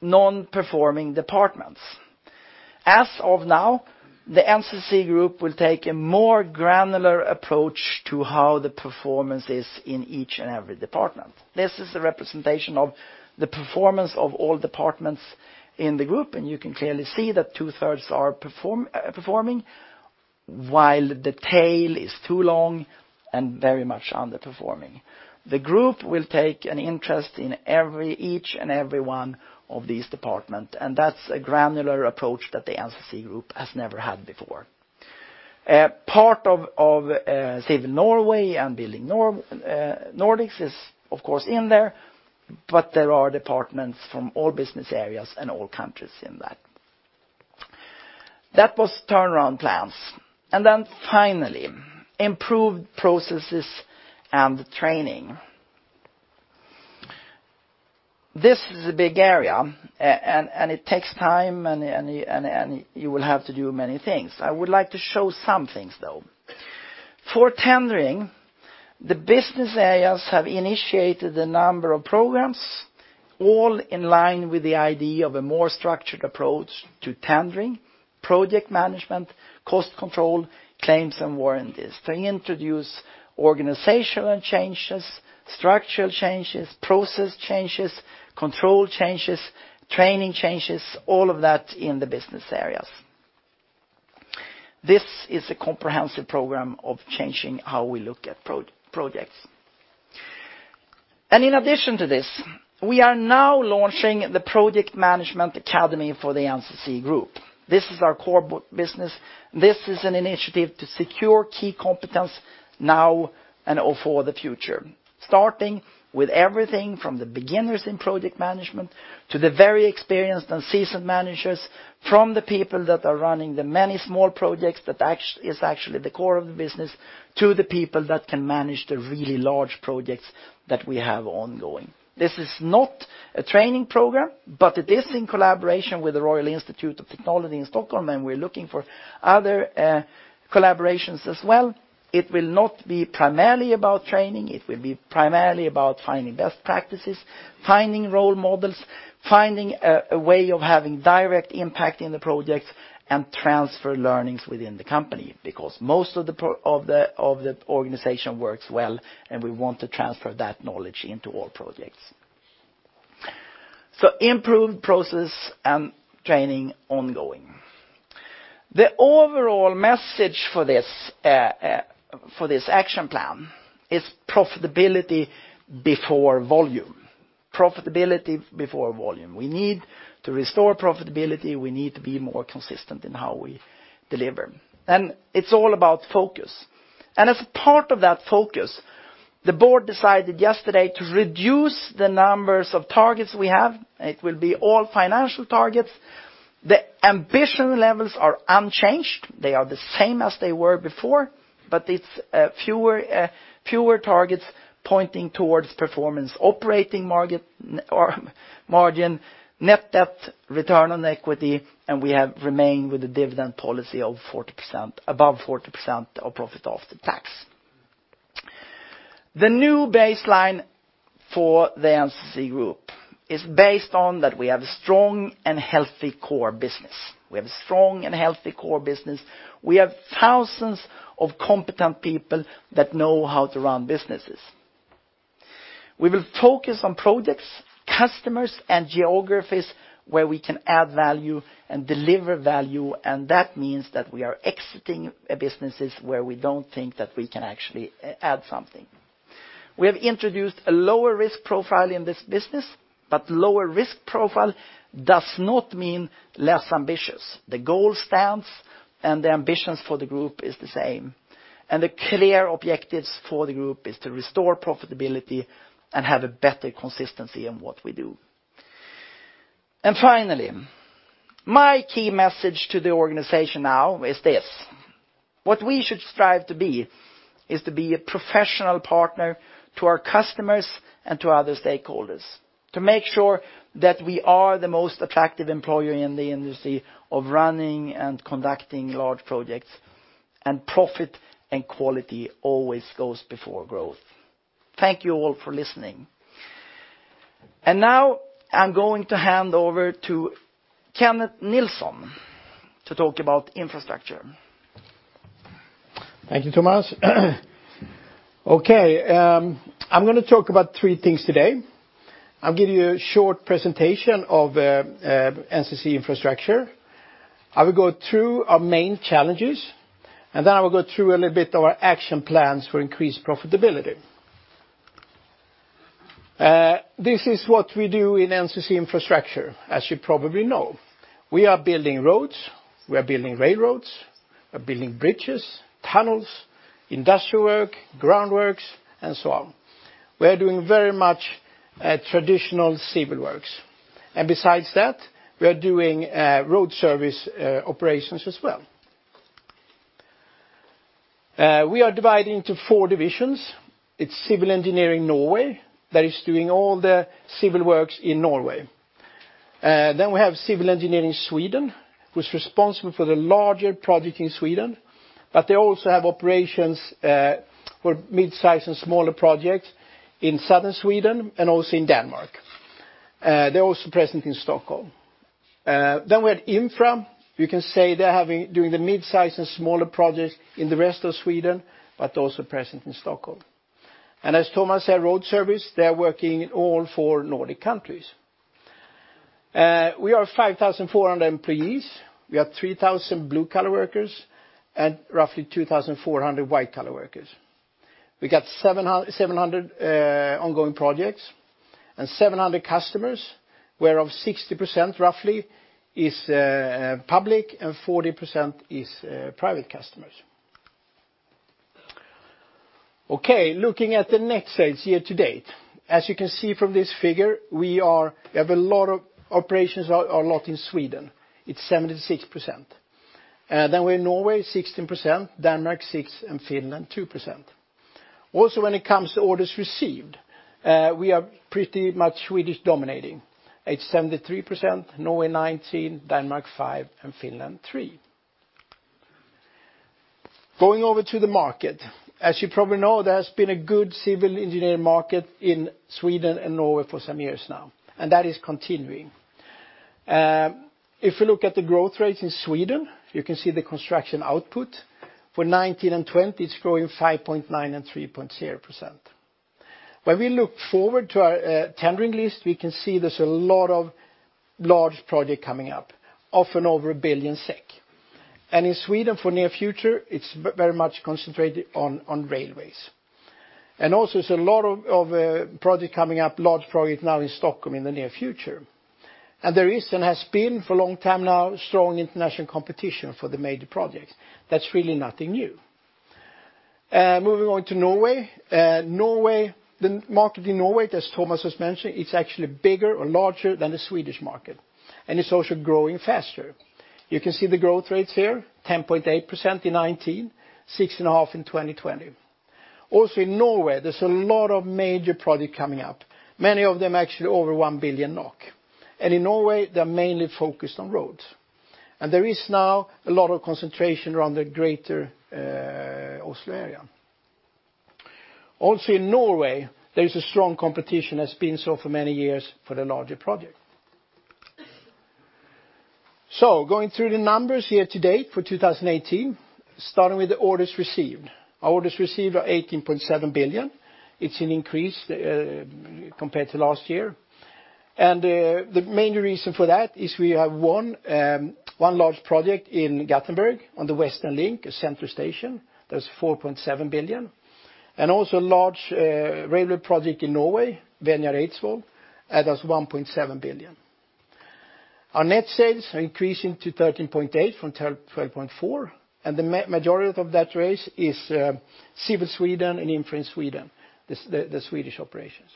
S2: non-performing departments. As of now, the NCC Group will take a more granular approach to how the performance is in each and every department. This is a representation of the performance of all departments in the group, and you can clearly see that two-thirds are performing, while the tail is too long and very much underperforming. The group will take an interest in every, each and every one of these departments, and that's a granular approach that the NCC Group has never had before. Part of Civil Norway and Building Nordics is, of course, in there, but there are departments from all business areas and all countries in that. That was turnaround plans. Finally, improved processes and training. This is a big area, and it takes time, and you will have to do many things. I would like to show some things, though. For tendering, the business areas have initiated a number of programs, all in line with the idea of a more structured approach to tendering, project management, cost control, claims, and warranties. To introduce organizational changes, structural changes, process changes, control changes, training changes, all of that in the business areas. This is a comprehensive program of changing how we look at projects. In addition to this, we are now launching the Project Management Academy for the NCC Group. This is our core business. This is an initiative to secure key competence now and/or for the future, starting with everything from the beginners in project management to the very experienced and seasoned managers, from the people that are running the many small projects that is actually the core of the business, to the people that can manage the really large projects that we have ongoing. This is not a training program, but it is in collaboration with the Royal Institute of Technology in Stockholm, and we're looking for other collaborations as well. It will not be primarily about training, it will be primarily about finding best practices, finding role models, finding a way of having direct impact in the projects, and transfer learnings within the company, because most of the projects of the organization works well, and we want to transfer that knowledge into all projects. So improved process and training ongoing. The overall message for this action plan is profitability before volume. Profitability before volume. We need to restore profitability. We need to be more consistent in how we deliver, and it's all about focus. And as a part of that focus, the board decided yesterday to reduce the numbers of targets we have. It will be all financial targets. The ambition levels are unchanged. They are the same as they were before, but it's fewer targets pointing towards performance, operating margin, or margin, net debt, return on equity, and we have remained with the dividend policy of 40%—above 40% of profit after tax. The new baseline for the NCC Group is based on that we have a strong and healthy core business. We have a strong and healthy core business. We have thousands of competent people that know how to run businesses. We will focus on projects, customers, and geographies where we can add value and deliver value, and that means that we are exiting businesses where we don't think that we can actually add something. We have introduced a lower risk profile in this business, but lower risk profile does not mean less ambitious. The goal stands, and the ambitions for the group is the same, and the clear objectives for the group is to restore profitability and have a better consistency in what we do. And finally, my key message to the organization now is this: What we should strive to be, is to be a professional partner to our customers and to other stakeholders, to make sure that we are the most attractive employer in the industry of running and conducting large projects, and profit and quality always goes before growth. Thank you all for listening. And now I'm going to hand over to Kenneth Nilsson to talk about infrastructure.
S4: Thank you, Tomas. Okay, I'm going to talk about three things today. I'll give you a short presentation of NCC Infrastructure. I will go through our main challenges, and then I will go through a little bit of our action plans for increased profitability. This is what we do in NCC Infrastructure, as you probably know. We are building roads, we are building railroads, we are building bridges, tunnels, industrial work, groundworks, and so on. We are doing very much traditional civil works, and besides that, we are doing Road Services operations as well. We are divided into four divisions. It's Civil Engineering Norway, that is doing all the civil works in Norway. Then we have Civil Engineering Sweden, who's responsible for the larger project in Sweden, but they also have operations, for mid-size and smaller projects in southern Sweden and also in Denmark, they're also present in Stockholm. Then we had Infra. You can say they're doing the mid-size and smaller projects in the rest of Sweden, but also present in Stockholm. And as Tomas said, Road Services, they're working in all four Nordic countries. We are 5,400 employees. We are 3,000 blue-collar workers and roughly 2,400 white-collar workers. We got 700 ongoing projects and 700 customers, whereof 60%, roughly, is, public, and 40% is, private customers. Okay, looking at the net sales year to date. As you can see from this figure, we have a lot of operations, a lot in Sweden. It's 76%. Then we're in Norway, 16%, Denmark 6%, and Finland 2%. Also, when it comes to orders received, we are pretty much Swedish dominating. It's 73%, Norway 19%, Denmark 5%, and Finland 3%. Going over to the market, as you probably know, there has been a good Civil Engineering market in Sweden and Norway for some years now, and that is continuing. If you look at the growth rate in Sweden, you can see the construction output for 2019 and 2020, it's growing 5.9% and 3.0%. When we look forward to our tendering list, we can see there's a lot of large project coming up, often over 1 billion SEK. In Sweden for the near future, it's very much concentrated on railways. And also, there's a lot of project coming up, large project now in Stockholm in the near future. And there is, and has been for a long time now, strong international competition for the major projects. That's really nothing new. Moving on to Norway. Norway, the market in Norway, as Tomas has mentioned, it's actually bigger or larger than the Swedish market, and it's also growing faster. You can see the growth rates here, 10.8% in 2019, 6.5% in 2020. Also, in Norway, there's a lot of major project coming up, many of them actually over 1 billion NOK. And in Norway, they are mainly focused on roads. And there is now a lot of concentration around the greater Oslo area. Also, in Norway, there is a strong competition, has been so for many years for the larger project. So going through the numbers here to date for 2018, starting with the orders received. Our orders received are 18.7 billion. It's an increase compared to last year. And the main reason for that is we have won one large project in Gothenburg on the Western Link Central Station. That's 4.7 billion. And also a large railway project in Norway, Venjar-Eidsvoll, that is 1.7 billion. Our net sales are increasing to 13.8 billion from 12.4 billion, and the majority of that raise is Civil Sweden and Infra in Sweden, the Swedish operations.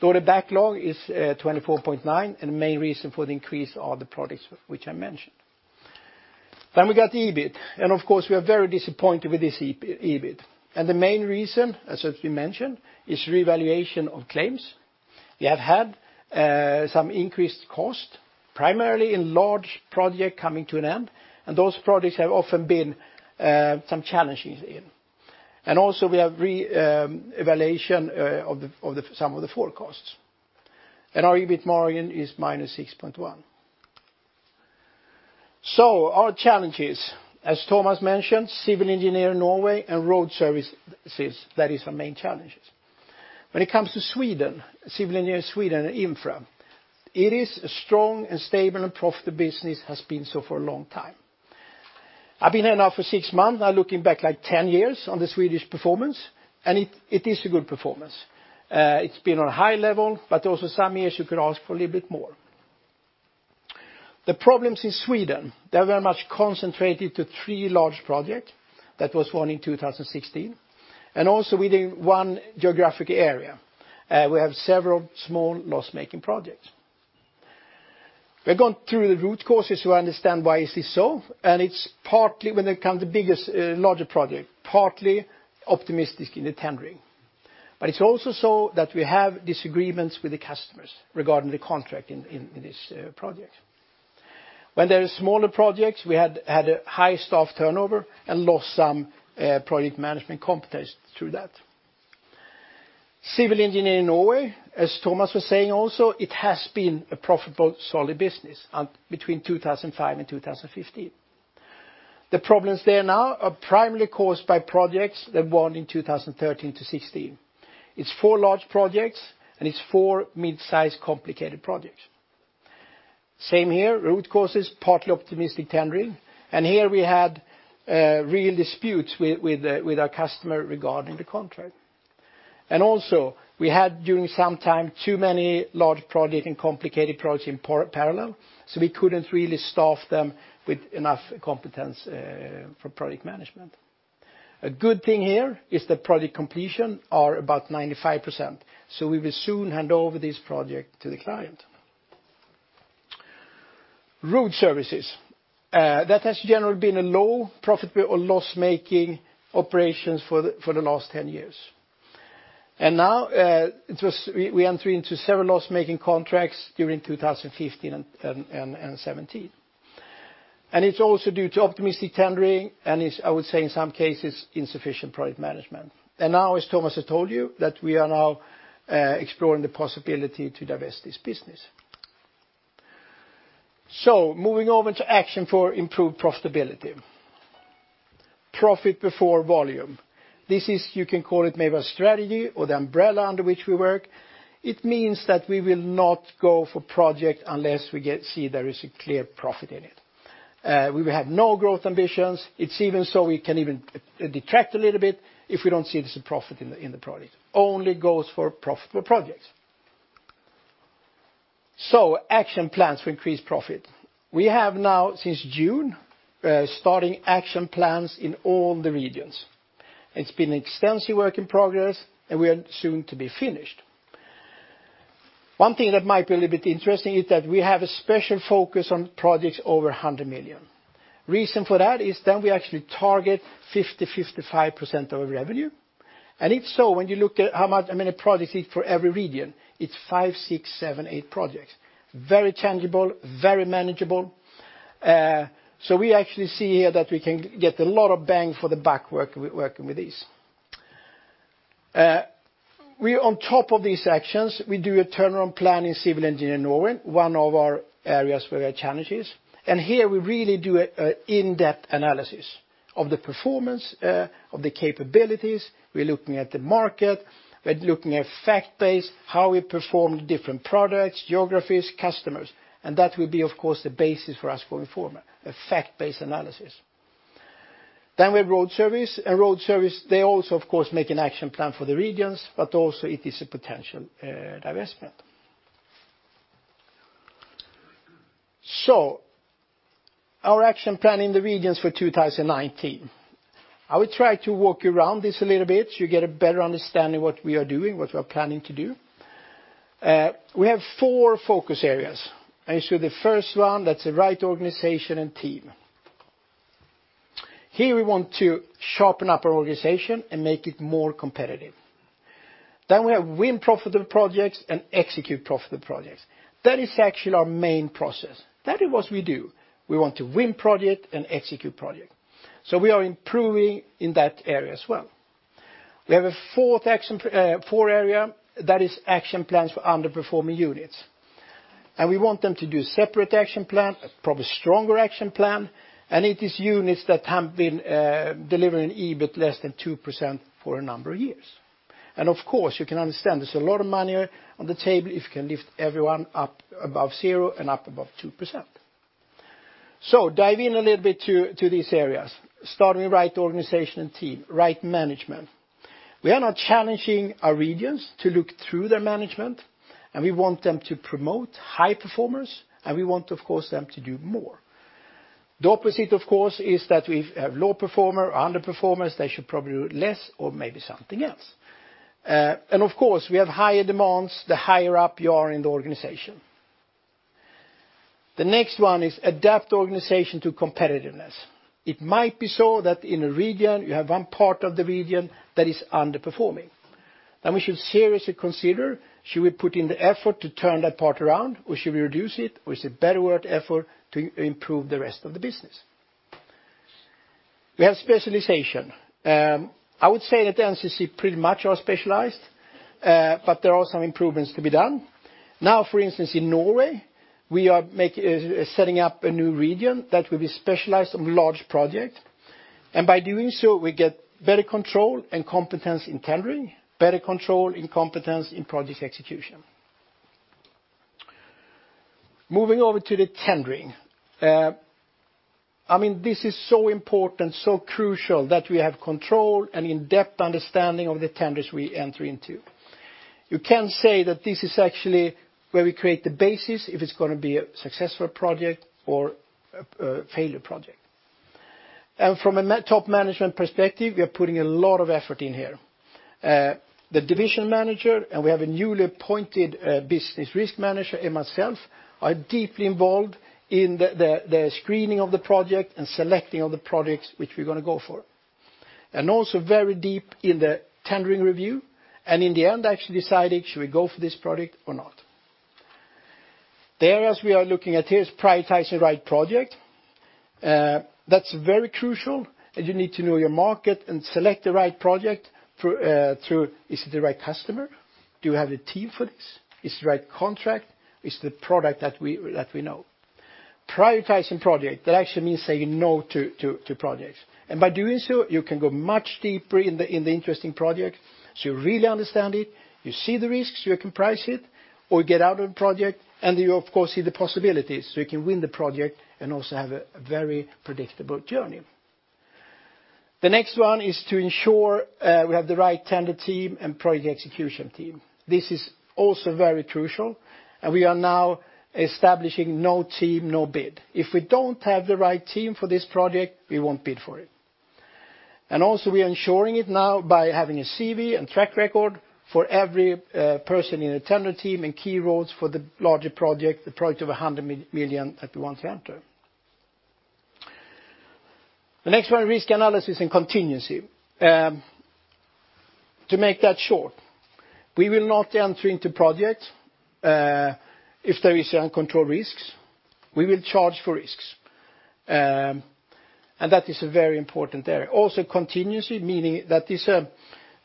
S4: So the backlog is 24.9 billion, and the main reason for the increase are the projects which I mentioned. We got the EBIT, and of course, we are very disappointed with this EBIT. The main reason, as has been mentioned, is revaluation of claims. We have had some increased cost, primarily in large project coming to an end, and those projects have often been some challenges in. Also, we have revaluation of some of the forecasts. Our EBIT margin is -6.1%. Our challenges, as Tomas mentioned, Civil Engineering Norway and Road Services, that is our main challenges. When it comes to Sweden, Civil Engineering Sweden and infra, it is a strong and stable and profitable business, has been so for a long time. I've been here now for six months, now looking back like 10 years on the Swedish performance, and it is a good performance. It's been on a high level, but also some years you could ask for a little bit more. The problems in Sweden, they are very much concentrated to three large project that was won in 2016, and also within one geographic area. We have several small loss-making projects. We've gone through the root causes to understand why is this so, and it's partly when it come the biggest, larger project, partly optimistic in the tendering. But it's also so that we have disagreements with the customers regarding the contract in this project. When there is smaller projects, we had a high staff turnover and lost some project management competence through that. Civil Engineering in Norway, as Tomas was saying also, it has been a profitable, solid business between 2005 and 2015. The problems there now are primarily caused by projects that won in 2013-2016. It's four large projects, and it's four mid-size, complicated projects. Same here, root causes, partly optimistic tendering, and here we had real disputes with our customer regarding the contract. And also, we had, during some time, too many large project and complicated projects in parallel, so we couldn't really staff them with enough competence for project management. A good thing here is that project completion are about 95%, so we will soon hand over this project to the client. Road Services, that has generally been a low profit or loss-making operations for the last 10 years. And now, we entered into several loss-making contracts during 2015 and 2017. It's also due to optimistic tendering, and it's, I would say in some cases, insufficient project management. Now, as Tomas has told you, that we are now exploring the possibility to divest this business. Moving over to action for improved profitability. Profit before volume. This is, you can call it maybe a strategy or the umbrella under which we work. It means that we will not go for project unless we see there is a clear profit in it. We will have no growth ambitions. It's even so we can even detract a little bit if we don't see there's a profit in the project. Only goes for profitable projects. Action plans to increase profit. We have now, since June, starting action plans in all the regions. It's been an extensive work in progress, and we are soon to be finished. One thing that might be a little bit interesting is that we have a special focus on projects over 100 million. Reason for that is then we actually target 50/55% of our revenue. And if so, when you look at how much, how many projects is for every region, it's five, six, seven, eight projects. Very tangible, very manageable. So we actually see here that we can get a lot of bang for the buck working with these. We on top of these actions, we do a turnaround plan in Civil Engineering Norway, one of our areas where there are challenges, and here we really do a, a in-depth analysis of the performance, of the capabilities. We're looking at the market, we're looking at fact base, how we perform different products, geographies, customers, and that will be, of course, the basis for us going forward, a fact-based analysis. Then we have Road Services. And Road Services, they also, of course, make an action plan for the regions, but also it is a potential divestment. So our action plan in the regions for 2019, I will try to walk you around this a little bit, so you get a better understanding what we are doing, what we are planning to do. We have four focus areas. And so the first one, that's the right organization and team. Here we want to sharpen up our organization and make it more competitive. Then we have win profitable projects and execute profitable projects. That is actually our main process. That is what we do. We want to win project and execute project, so we are improving in that area as well. We have a fourth action, four area, that is action plans for underperforming units. We want them to do a separate action plan, a probably stronger action plan, and it is units that have been delivering EBIT less than 2% for a number of years. Of course, you can understand there's a lot of money on the table if you can lift everyone up above zero and up above 2%. Dive in a little bit to these areas. Starting with right organization and team, right management. We are now challenging our regions to look through their management, and we want them to promote high performers, and we want, of course, them to do more. The opposite, of course, is that we've low performer or underperformers, they should probably do less or maybe something else. And of course, we have higher demands, the higher up you are in the organization. The next one is adapt organization to competitiveness. It might be so that in a region, you have one part of the region that is underperforming. Then we should seriously consider, should we put in the effort to turn that part around, or should we reduce it, or is it better worth effort to improve the rest of the business? We have specialization. I would say that NCC pretty much are specialized, but there are some improvements to be done. Now, for instance, in Norway, we are setting up a new region that will be specialized on large project. By doing so, we get better control and competence in tendering, better control and competence in project execution. Moving over to the tendering. I mean, this is so important, so crucial that we have control and in-depth understanding of the tenders we enter into. You can say that this is actually where we create the basis, if it's gonna be a successful project or a failure project. And from a top management perspective, we are putting a lot of effort in here. The division manager, and we have a newly appointed business risk manager, and myself, are deeply involved in the screening of the project and selecting of the projects which we're gonna go for. And also very deep in the tendering review, and in the end, actually deciding, should we go for this project or not? The areas we are looking at here is prioritize the right project. That's very crucial, and you need to know your market and select the right project through through, is it the right customer? Do you have the team for this? Is the right contract? Is the product that we, that we know? Prioritizing project, that actually means saying no to to to projects. And by doing so, you can go much deeper in the in the interesting project, so you really understand it, you see the risks, you can price it, or get out of the project, and you, of course, see the possibilities, so you can win the project and also have a a very predictable journey. The next one is to ensure we have the right tender team and project execution team. This is also very crucial, and we are now establishing no team, no bid. If we don't have the right team for this project, we won't bid for it. And also, we are ensuring it now by having a CV and track record for every person in the tender team and key roles for the larger project, the project of 100 million that we want to enter. The next one, risk analysis and contingency. To make that short, we will not enter into project if there is uncontrolled risks. We will charge for risks, and that is a very important area. Also, contingency, meaning that is a,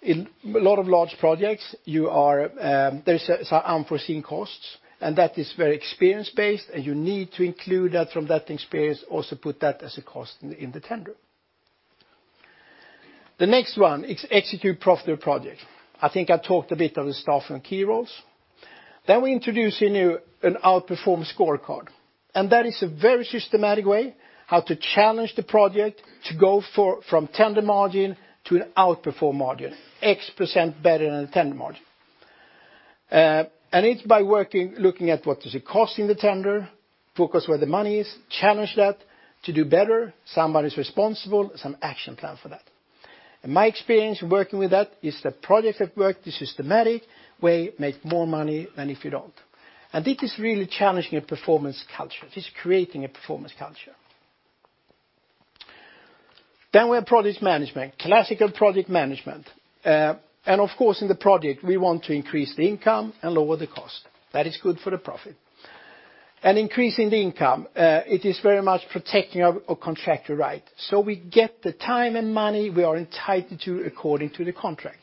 S4: in a lot of large projects, you are, there is some unforeseen costs, and that is very experience-based, and you need to include that from that experience, also put that as a cost in, in the tender. The next one is execute profitable project. I think I talked a bit on the staff and key roles. Then we introduce a new outperform scorecard, and that is a very systematic way how to challenge the project to go for, from tender margin to an outperform margin, X% better than a tender margin. And it's by working, looking at what is it costing the tender, focus where the money is, challenge that to do better, somebody's responsible, some action plan for that. My experience working with that is that projects that work the systematic way make more money than if you don't. This is really challenging a performance culture. This is creating a performance culture. Then we have project management, classical project management. And of course, in the project, we want to increase the income and lower the cost. That is good for the profit. And increasing the income, it is very much protecting our contractual right. So we get the time and money we are entitled to according to the contract.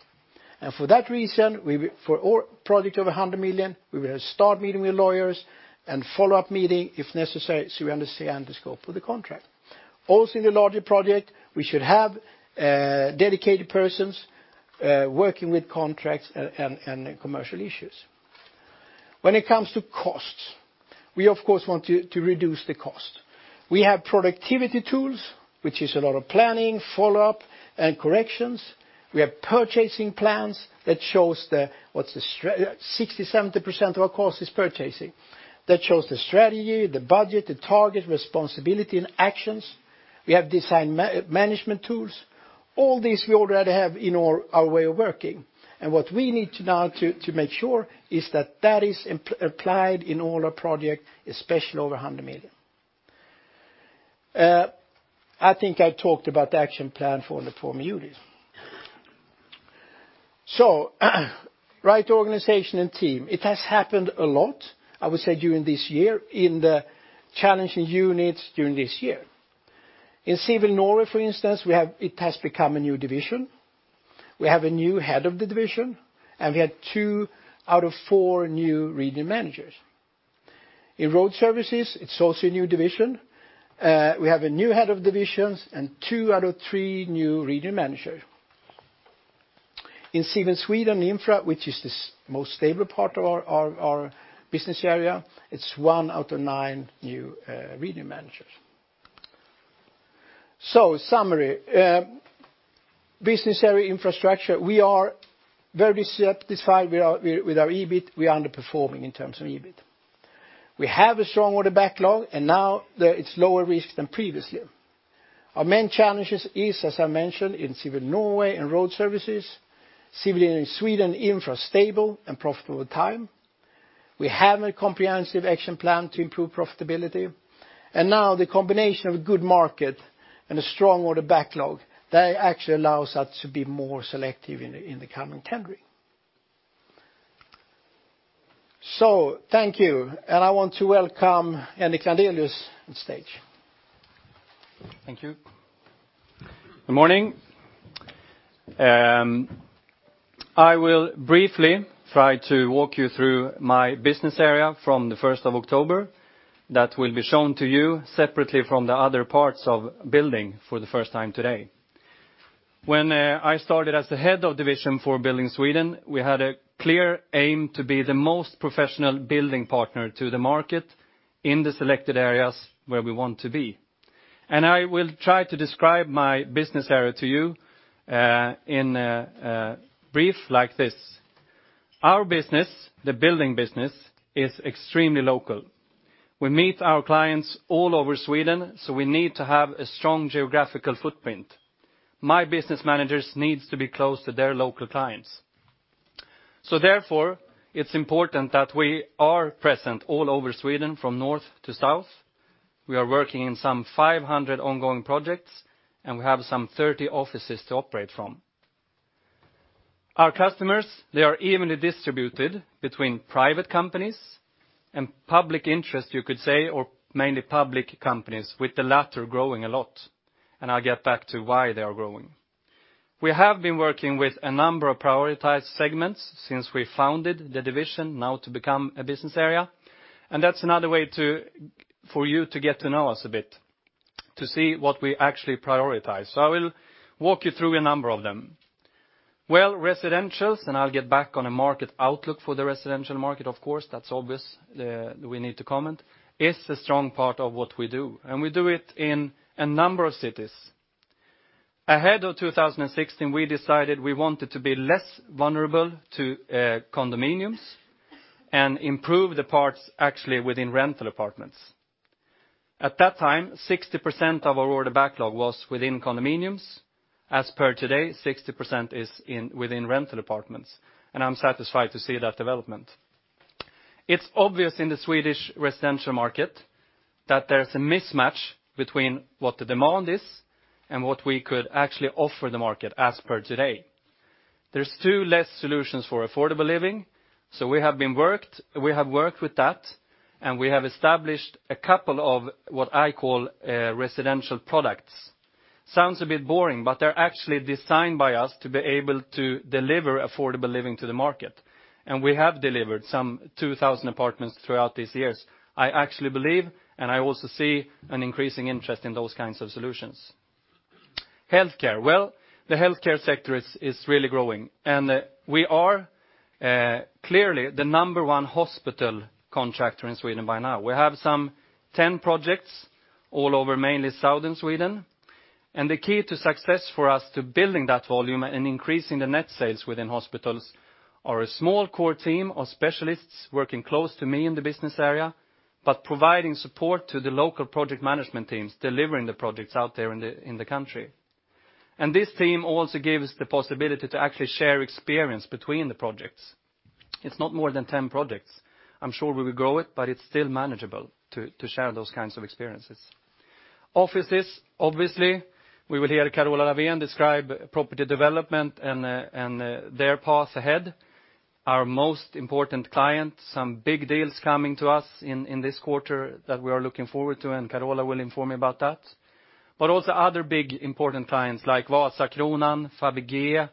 S4: And for that reason, for all projects over 100 million, we will start meeting with lawyers and follow-up meetings, if necessary, so we understand the scope of the contract. Also, in the larger projects, we should have dedicated persons working with contracts and commercial issues. When it comes to costs, we of course want to reduce the cost. We have productivity tools, which is a lot of planning, follow-up, and corrections. We have purchasing plans that show the—what's the strategy—60%, 70% of our cost is purchasing. That shows the strategy, the budget, the target, responsibility, and actions. We have design management tools. All these we already have in our way of working, and what we need now to make sure is that that is applied in all our projects, especially over 100 million. I think I talked about the action plan for the 4 million. Right organization and team, it has happened a lot, I would say, during this year, in the challenging units during this year. In Civil Norway, for instance, it has become a new division. We have a new head of the division, and we had two out of four new region managers. In Road Services, it's also a new division. We have a new head of divisions and two out of three new region managers. In Civil Sweden Infra, which is the most stable part of our business area, it's one out of nine new region managers. Summary, business area Infrastructure, we are very satisfied with our EBIT. We are underperforming in terms of EBIT. We have a strong order backlog, and now it's lower risk than previously. Our main challenges is, as I mentioned, in Civil Norway and Road Services, Civil in Sweden Infra, stable and profitable time. We have a comprehensive action plan to improve profitability, and now the combination of a good market and a strong order backlog, that actually allows us to be more selective in the coming tendering. So thank you, and I want to welcome Henrik Landelius on stage.
S5: Thank you. Good morning. I will briefly try to walk you through my business area from the first of October. That will be shown to you separately from the other parts of building for the first time today. When I started as the head of division for Building Sweden, we had a clear aim to be the most professional building partner to the market in the selected areas where we want to be. I will try to describe my business area to you in a brief like this. Our business, the building business, is extremely local. We meet our clients all over Sweden, so we need to have a strong geographical footprint. My business managers needs to be close to their local clients. So therefore, it's important that we are present all over Sweden, from north to south. We are working in some 500 ongoing projects, and we have some 30 offices to operate from. Our customers, they are evenly distributed between private companies and public interest, you could say, or mainly public companies, with the latter growing a lot, and I'll get back to why they are growing. We have been working with a number of prioritized segments since we founded the division, now to become a business area, and that's another way to for you to get to know us a bit, to see what we actually prioritize. So I will walk you through a number of them. Well, residential, and I'll get back on a market outlook for the residential market, of course, that's obvious, we need to comment, is a strong part of what we do, and we do it in a number of cities. Ahead of 2016, we decided we wanted to be less vulnerable to condominiums and improve the parts actually within rental apartments. At that time, 60% of our order backlog was within condominiums. As per today, 60% is within rental apartments, and I'm satisfied to see that development. It's obvious in the Swedish residential market that there's a mismatch between what the demand is and what we could actually offer the market as per today. There's too few solutions for affordable living, so we have worked with that, and we have established a couple of what I call residential products. Sounds a bit boring, but they're actually designed by us to be able to deliver affordable living to the market, and we have delivered some 2,000 apartments throughout these years. I actually believe, and I also see, an increasing interest in those kinds of solutions. Healthcare. Well, the healthcare sector is really growing, and we are clearly the number one hospital contractor in Sweden by now. We have some 10 projects all over, mainly southern Sweden. And the key to success for us to building that volume and increasing the net sales within hospitals are a small core team of specialists working close to me in the business area, but providing support to the local project management teams, delivering the projects out there in the country. And this team also gives the possibility to actually share experience between the projects. It's not more than 10 projects. I'm sure we will grow it, but it's still manageable to share those kinds of experiences. Offices, obviously, we will hear Carola Lavén describe Property Development and their path ahead. Our most important client, some big deals coming to us in this quarter that we are looking forward to, and Carola will inform you about that. But also other big, important clients like Vasakronan, Fabege,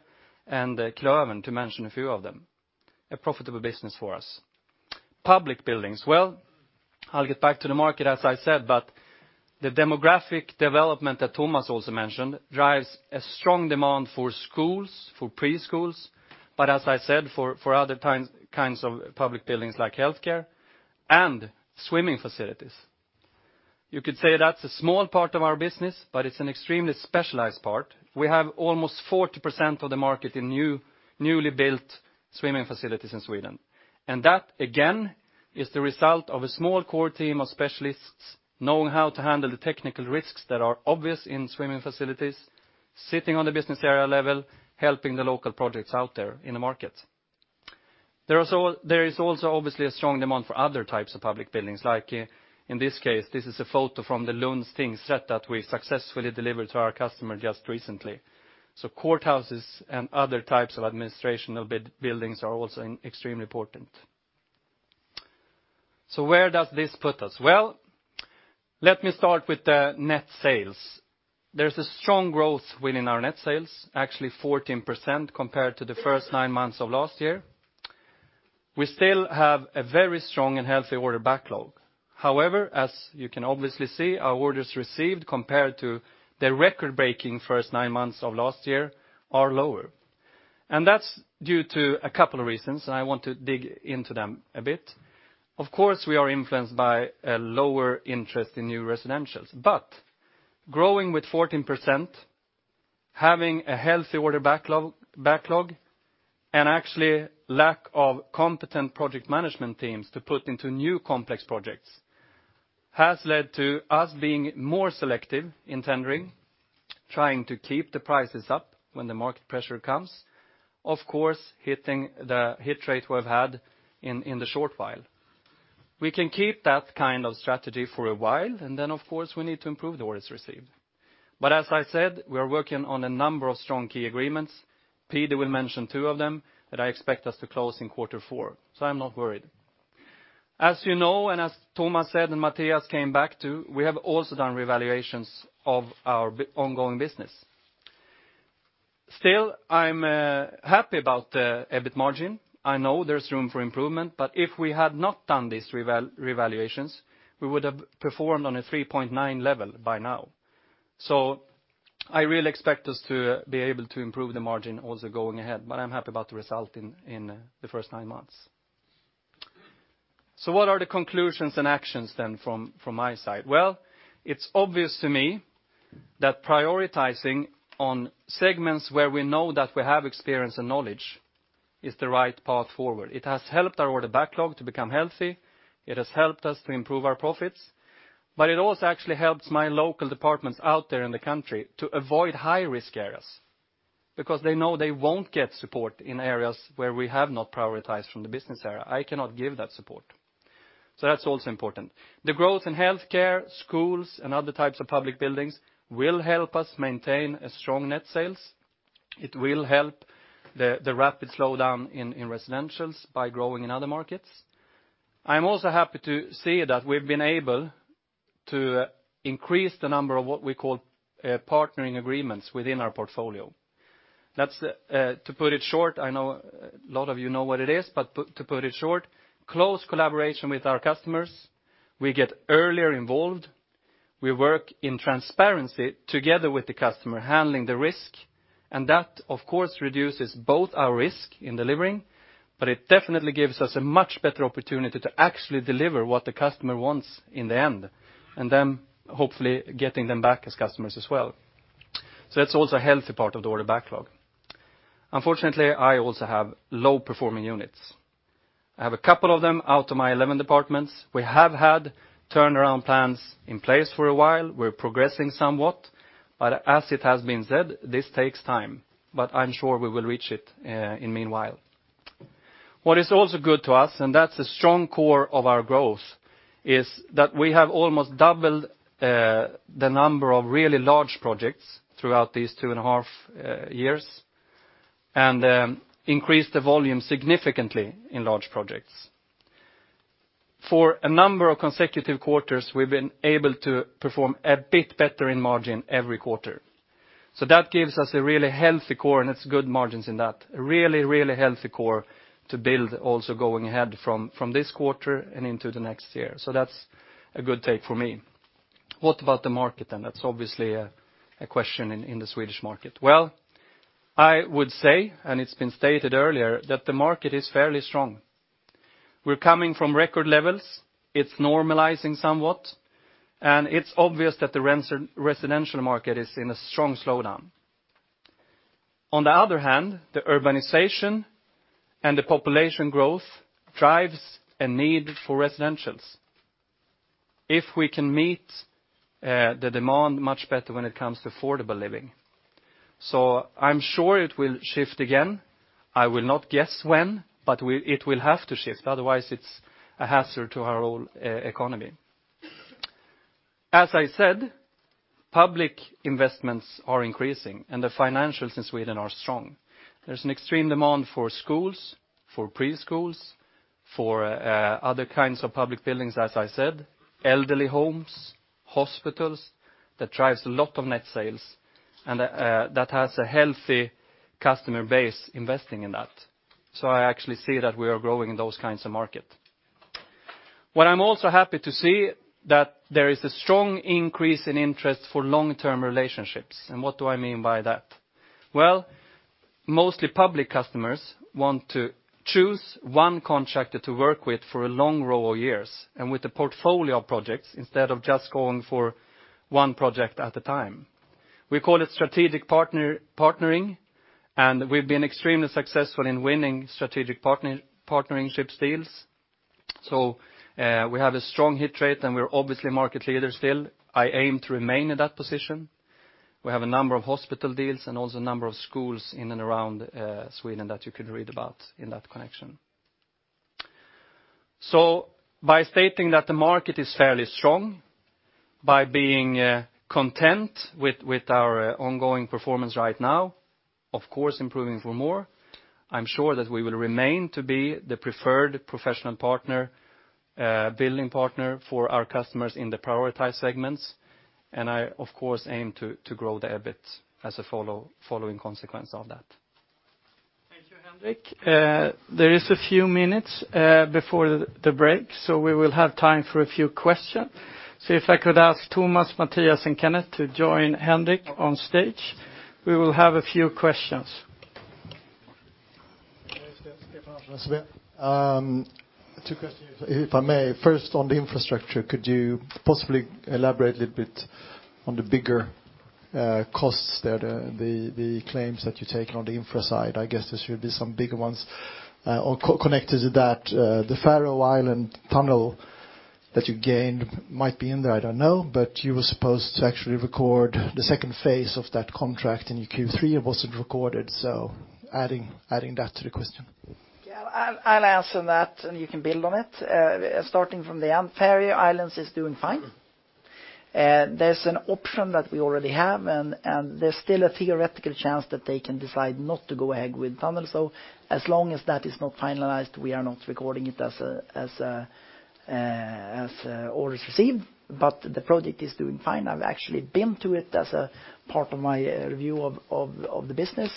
S5: and Klövern, to mention a few of them. A profitable business for us. Public buildings. Well, I'll get back to the market, as I said, but the demographic development that Tomas also mentioned drives a strong demand for schools, for preschools, but as I said, for other kinds of public buildings, like healthcare and swimming facilities. You could say that's a small part of our business, but it's an extremely specialized part. We have almost 40% of the market in newly built swimming facilities in Sweden. That, again, is the result of a small core team of specialists knowing how to handle the technical risks that are obvious in swimming facilities, sitting on the business area level, helping the local projects out there in the market. There is also, obviously, a strong demand for other types of public buildings, like, in this case, this is a photo from the Lunds tingsrätt that we successfully delivered to our customer just recently. So courthouses and other types of administrational buildings are also extremely important. So where does this put us? Well, let me start with the net sales. There's a strong growth within our net sales, actually 14% compared to the first nine months of last year. We still have a very strong and healthy order backlog. However, as you can obviously see, our orders received compared to the record-breaking first nine months of last year are lower. That's due to a couple of reasons, and I want to dig into them a bit. Of course, we are influenced by a lower interest in new residentials, but growing with 14%, having a healthy order backlog and actually lack of competent project management teams to put into new complex projects, has led to us being more selective in tendering, trying to keep the prices up when the market pressure comes. Of course, hitting the hit rate we've had in the short while. We can keep that kind of strategy for a while, and then, of course, we need to improve the orders received. But as I said, we are working on a number of strong key agreements. Peter will mention two of them that I expect us to close in quarter four, so I'm not worried. As you know, and as Tomas said, and Mattias came back to, we have also done revaluations of our ongoing business. Still, I'm happy about the EBIT margin. I know there's room for improvement, but if we had not done these revaluations, we would have performed on a 3.9% level by now. So I really expect us to be able to improve the margin also going ahead, but I'm happy about the result in the first nine months. So what are the conclusions and actions then from my side? Well, it's obvious to me that prioritizing on segments where we know that we have experience and knowledge is the right path forward. It has helped our order backlog to become healthy, it has helped us to improve our profits, but it also actually helps my local departments out there in the country to avoid high-risk areas. Because they know they won't get support in areas where we have not prioritized from the business area. I cannot give that support. So that's also important. The growth in healthcare, schools, and other types of public buildings will help us maintain a strong net sales. It will help the rapid slowdown in residentials by growing in other markets. I'm also happy to see that we've been able to increase the number of what we call partnering agreements within our portfolio. That's to put it short. I know a lot of you know what it is, but to put it short, close collaboration with our customers, we get earlier involved, we work in transparency together with the customer, handling the risk, and that, of course, reduces both our risk in delivering, but it definitely gives us a much better opportunity to actually deliver what the customer wants in the end, and then hopefully getting them back as customers as well. So that's also a healthy part of the order backlog. Unfortunately, I also have low-performing units. I have a couple of them out of my 11 departments. We have had turnaround plans in place for a while. We're progressing somewhat, but as it has been said, this takes time, but I'm sure we will reach it in meanwhile. What is also good to us, and that's a strong core of our growth, is that we have almost doubled the number of really large projects throughout these two and a half years, and increased the volume significantly in large projects. For a number of consecutive quarters, we've been able to perform a bit better in margin every quarter. So that gives us a really healthy core, and it's good margins in that. A really, really healthy core to build also going ahead from this quarter and into the next year. So that's a good take for me. What about the market then? That's obviously a question in the Swedish market. Well, I would say, and it's been stated earlier, that the market is fairly strong. We're coming from record levels, it's normalizing somewhat, and it's obvious that the residential market is in a strong slowdown. On the other hand, the urbanization and the population growth drives a need for residentials. If we can meet the demand much better when it comes to affordable living. So I'm sure it will shift again. I will not guess when, but it will have to shift, otherwise it's a hazard to our whole economy. As I said, public investments are increasing, and the financials in Sweden are strong. There's an extreme demand for schools, for preschools, for other kinds of public buildings, as I said, elderly homes, hospitals, that drives a lot of net sales, and that has a healthy customer base investing in that. So I actually see that we are growing in those kinds of market. What I'm also happy to see that there is a strong increase in interest for long-term relationships, and what do I mean by that? Well, mostly public customers want to choose one contractor to work with for a long row of years, and with a portfolio of projects instead of just going for one project at a time. We call it strategic partnering, and we've been extremely successful in winning strategic partnership deals. So, we have a strong hit rate, and we're obviously market leader still. I aim to remain in that position. We have a number of hospital deals and also a number of schools in and around Sweden that you could read about in that connection. So by stating that the market is fairly strong, by being content with our ongoing performance right now, of course, improving for more, I'm sure that we will remain to be the preferred professional partner, building partner for our customers in the prioritized segments. And I, of course, aim to grow the EBIT as a following consequence of that.
S1: Thank you, Henrik. There is a few minutes before the break, so we will have time for a few questions. So if I could ask Tomas, Mattias, and Kenneth to join Henrik on stage, we will have a few questions....
S6: Two questions, if I may. First, on the infrastructure, could you possibly elaborate a little bit on the bigger costs, the claims that you're taking on the Infra side? I guess there should be some bigger ones. Or connected to that, the Faroe Islands tunnel that you gained might be in there, I don't know, but you were supposed to actually record the second phase of that contract in your Q3. It wasn't recorded, so adding that to the question.
S2: Yeah, I'll answer that, and you can build on it. Starting from the end, Faroe Islands is doing fine. There's an option that we already have, and there's still a theoretical chance that they can decide not to go ahead with tunnel. So as long as that is not finalized, we are not recording it as orders received, but the project is doing fine. I've actually been to it as a part of my review of the business.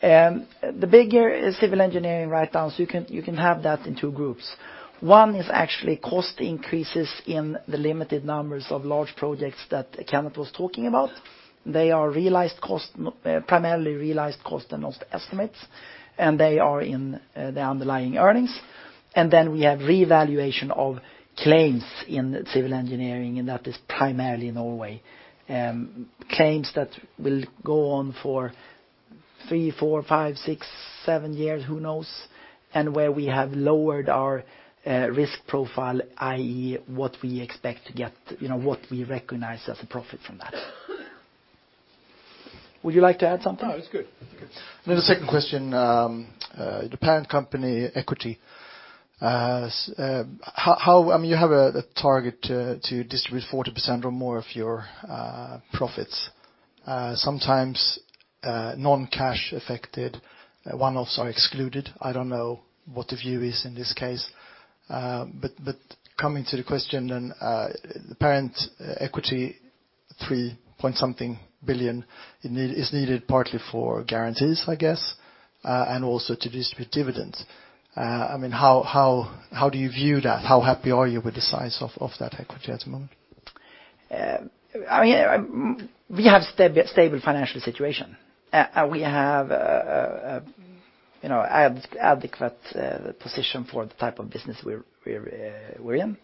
S2: The bigger Civil Engineering write-downs, you can have that in two groups. One is actually cost increases in the limited numbers of large projects that Kenneth was talking about. They are realized cost, primarily realized cost and not estimates, and they are in the underlying earnings. And then we have revaluation of claims in Civil Engineering, and that is primarily in Norway. Claims that will go on for three, four, five, six, seven years, who knows? And where we have lowered our risk profile, i.e., what we expect to get, you know, what we recognize as a profit from that. Would you like to add something?
S6: No, it's good. Then the second question, the parent company equity. As how I mean, you have a target to distribute 40% or more of your profits, sometimes non-cash affected, one-offs are excluded. I don't know what the view is in this case, but coming to the question, and the parent equity, 3-point-something billion, it is needed partly for guarantees, I guess, and also to distribute dividends. I mean, how do you view that? How happy are you with the size of that equity at the moment?
S2: I mean, we have stable financial situation. We have, you know, adequate position for the type of business we're in.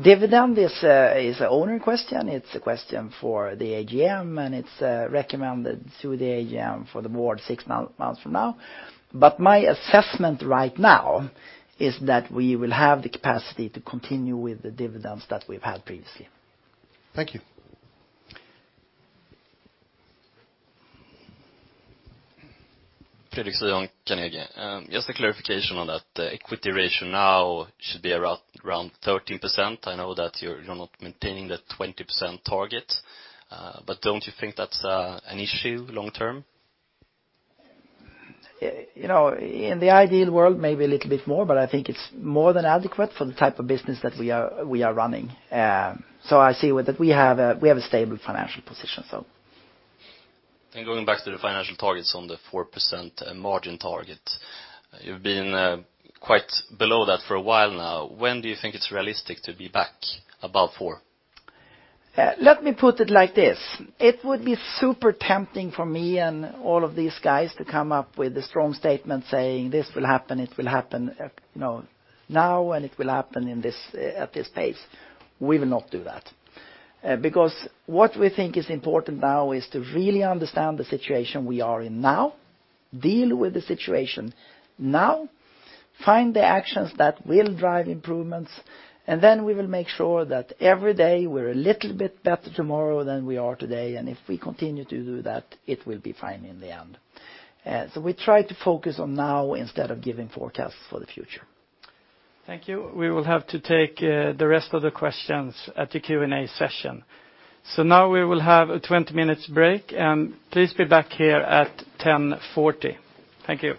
S2: Dividend is an owner question, it's a question for the AGM, and it's recommended to the AGM for the board six months from now. But my assessment right now is that we will have the capacity to continue with the dividends that we've had previously.
S6: Thank you.
S5: Fredrik Sylvan, Carnegie. Just a clarification on that. The equity ratio now should be around 13%. I know that you're not maintaining the 20% target, but don't you think that's an issue long term?
S2: You know, in the ideal world, maybe a little bit more, but I think it's more than adequate for the type of business that we are running. So I see with that we have a stable financial position, so.
S5: Then going back to the financial targets on the 4% margin target, you've been quite below that for a while now. When do you think it's realistic to be back above 4%?
S2: Let me put it like this: It would be super tempting for me and all of these guys to come up with a strong statement saying, "This will happen, it will happen," you know?... now and it will happen in this, at this pace. We will not do that. Because what we think is important now is to really understand the situation we are in now, deal with the situation now, find the actions that will drive improvements, and then we will make sure that every day we're a little bit better tomorrow than we are today. And if we continue to do that, it will be fine in the end. So we try to focus on now instead of giving forecasts for the future.
S1: Thank you. We will have to take the rest of the questions at the Q&A session. Now we will have a 20-minute break, and please be back here at 10:40 A.M. Thank you.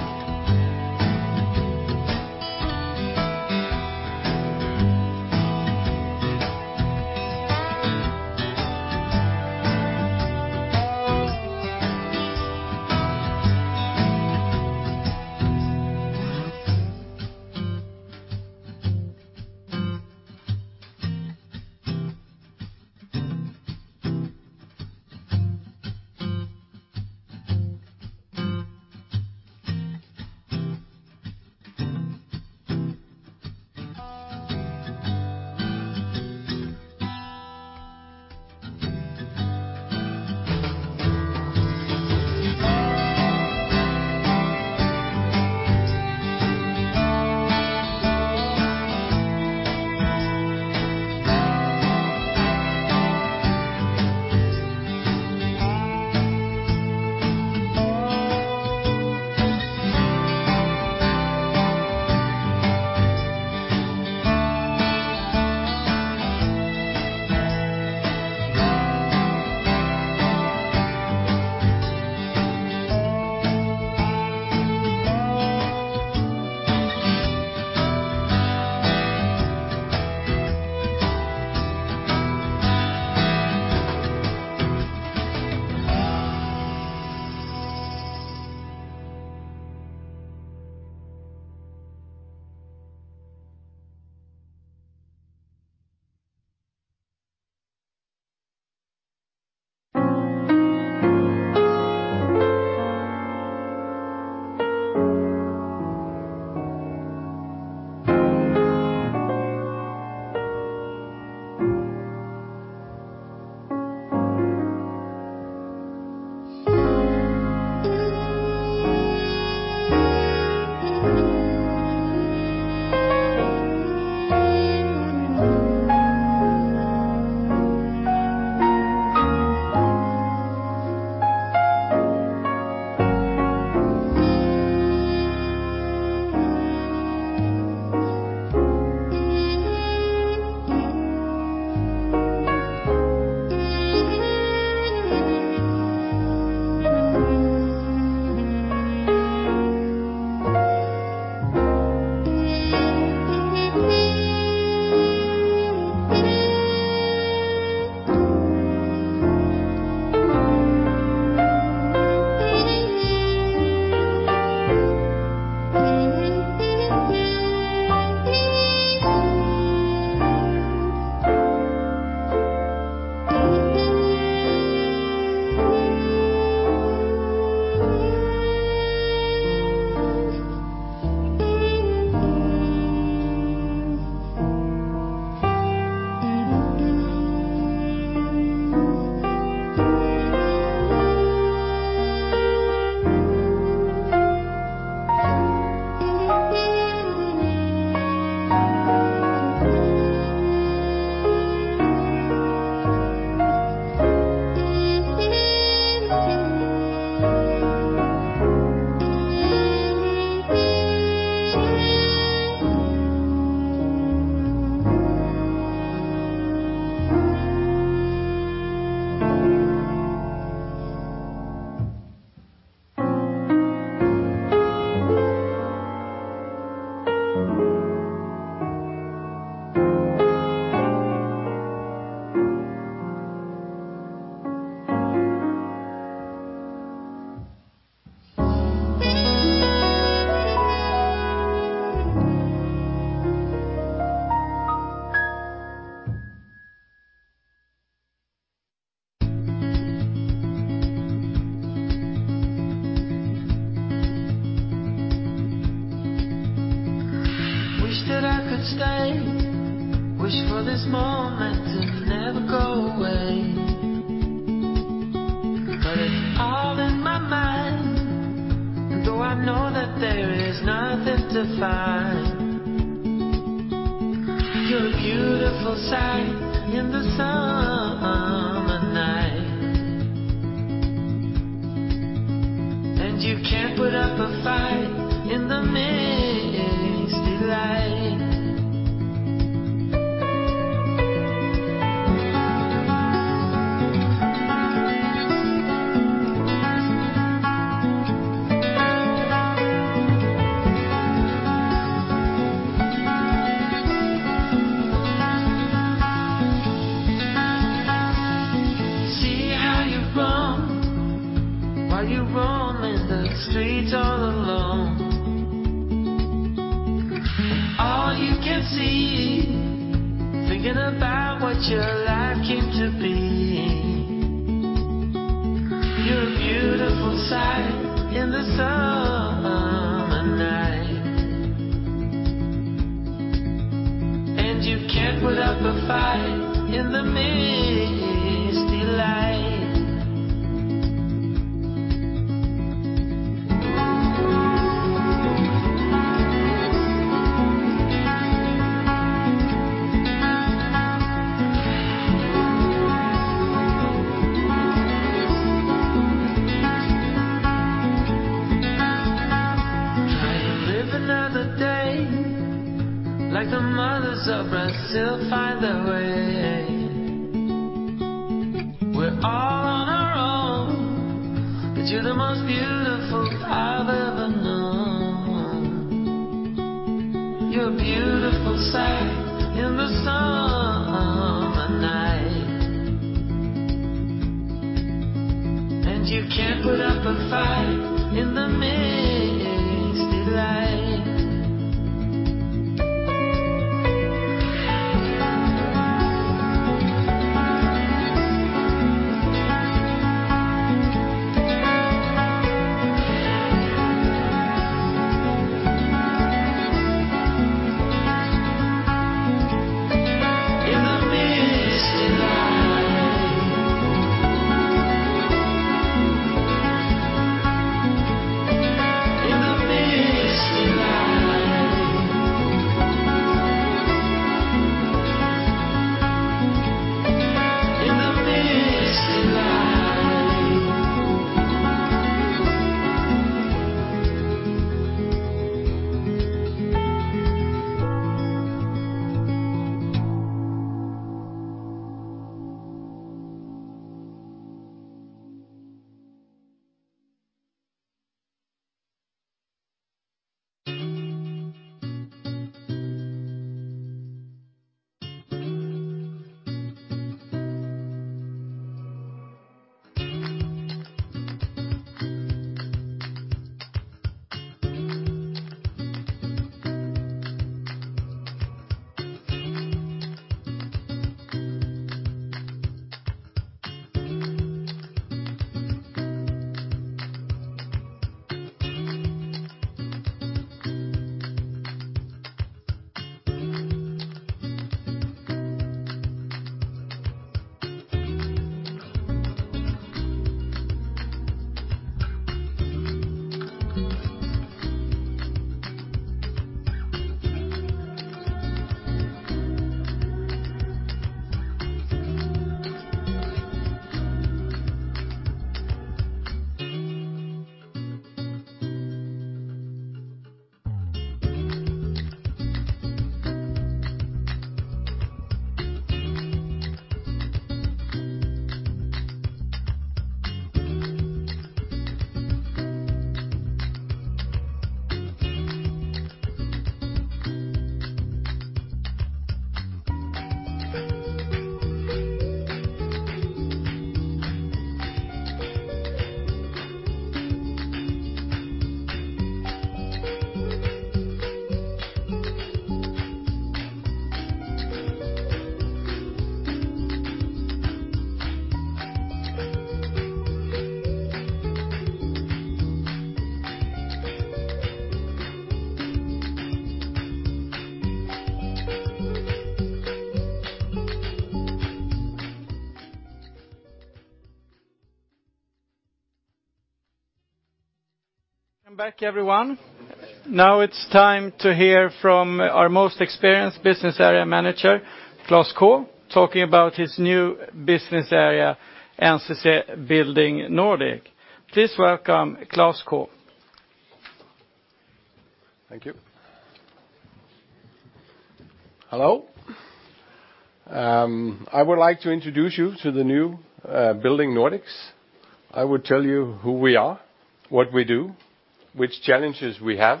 S7: which challenges we have,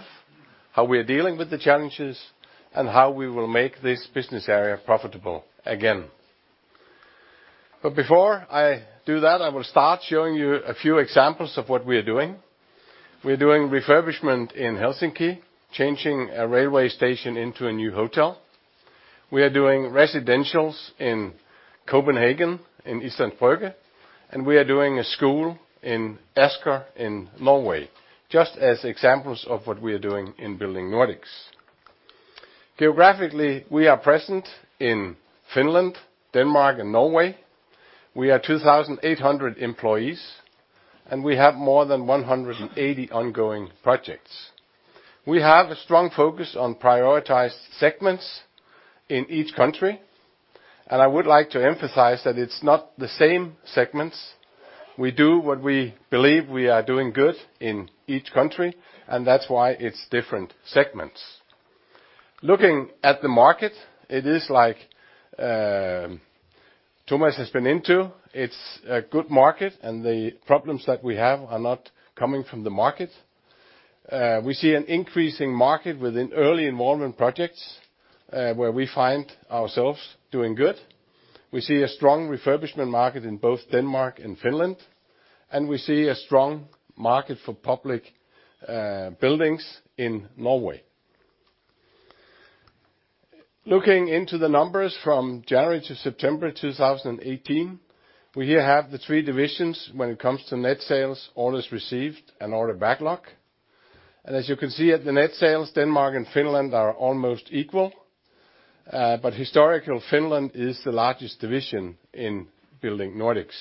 S7: how we are dealing with the challenges, and how we will make this business area profitable again. But before I do that, I will start showing you a few examples of what we are doing. We're doing refurbishment in Helsinki, changing a railway station into a new hotel. We are doing residentials in Copenhagen, in Østerbro and we are doing a school in Asker, in Norway, just as examples of what we are doing in Building Nordics. Geographically, we are present in Finland, Denmark and Norway. We are 2,800 employees, and we have more than 180 ongoing projects. We have a strong focus on prioritized segments in each country, and I would like to emphasize that it's not the same segments. We do what we believe we are doing good in each country, and that's why it's different segments. Looking at the market, it is like, Tomas has been into. It's a good market, and the problems that we have are not coming from the market. We see an increasing market within early involvement projects, where we find ourselves doing good. We see a strong refurbishment market in both Denmark and Finland, and we see a strong market for public buildings in Norway. Looking into the numbers from January to September 2018, we here have the three divisions when it comes to net sales, orders received, and order backlog. As you can see at the net sales, Denmark and Finland are almost equal, but historically Finland is the largest division in Building Nordics.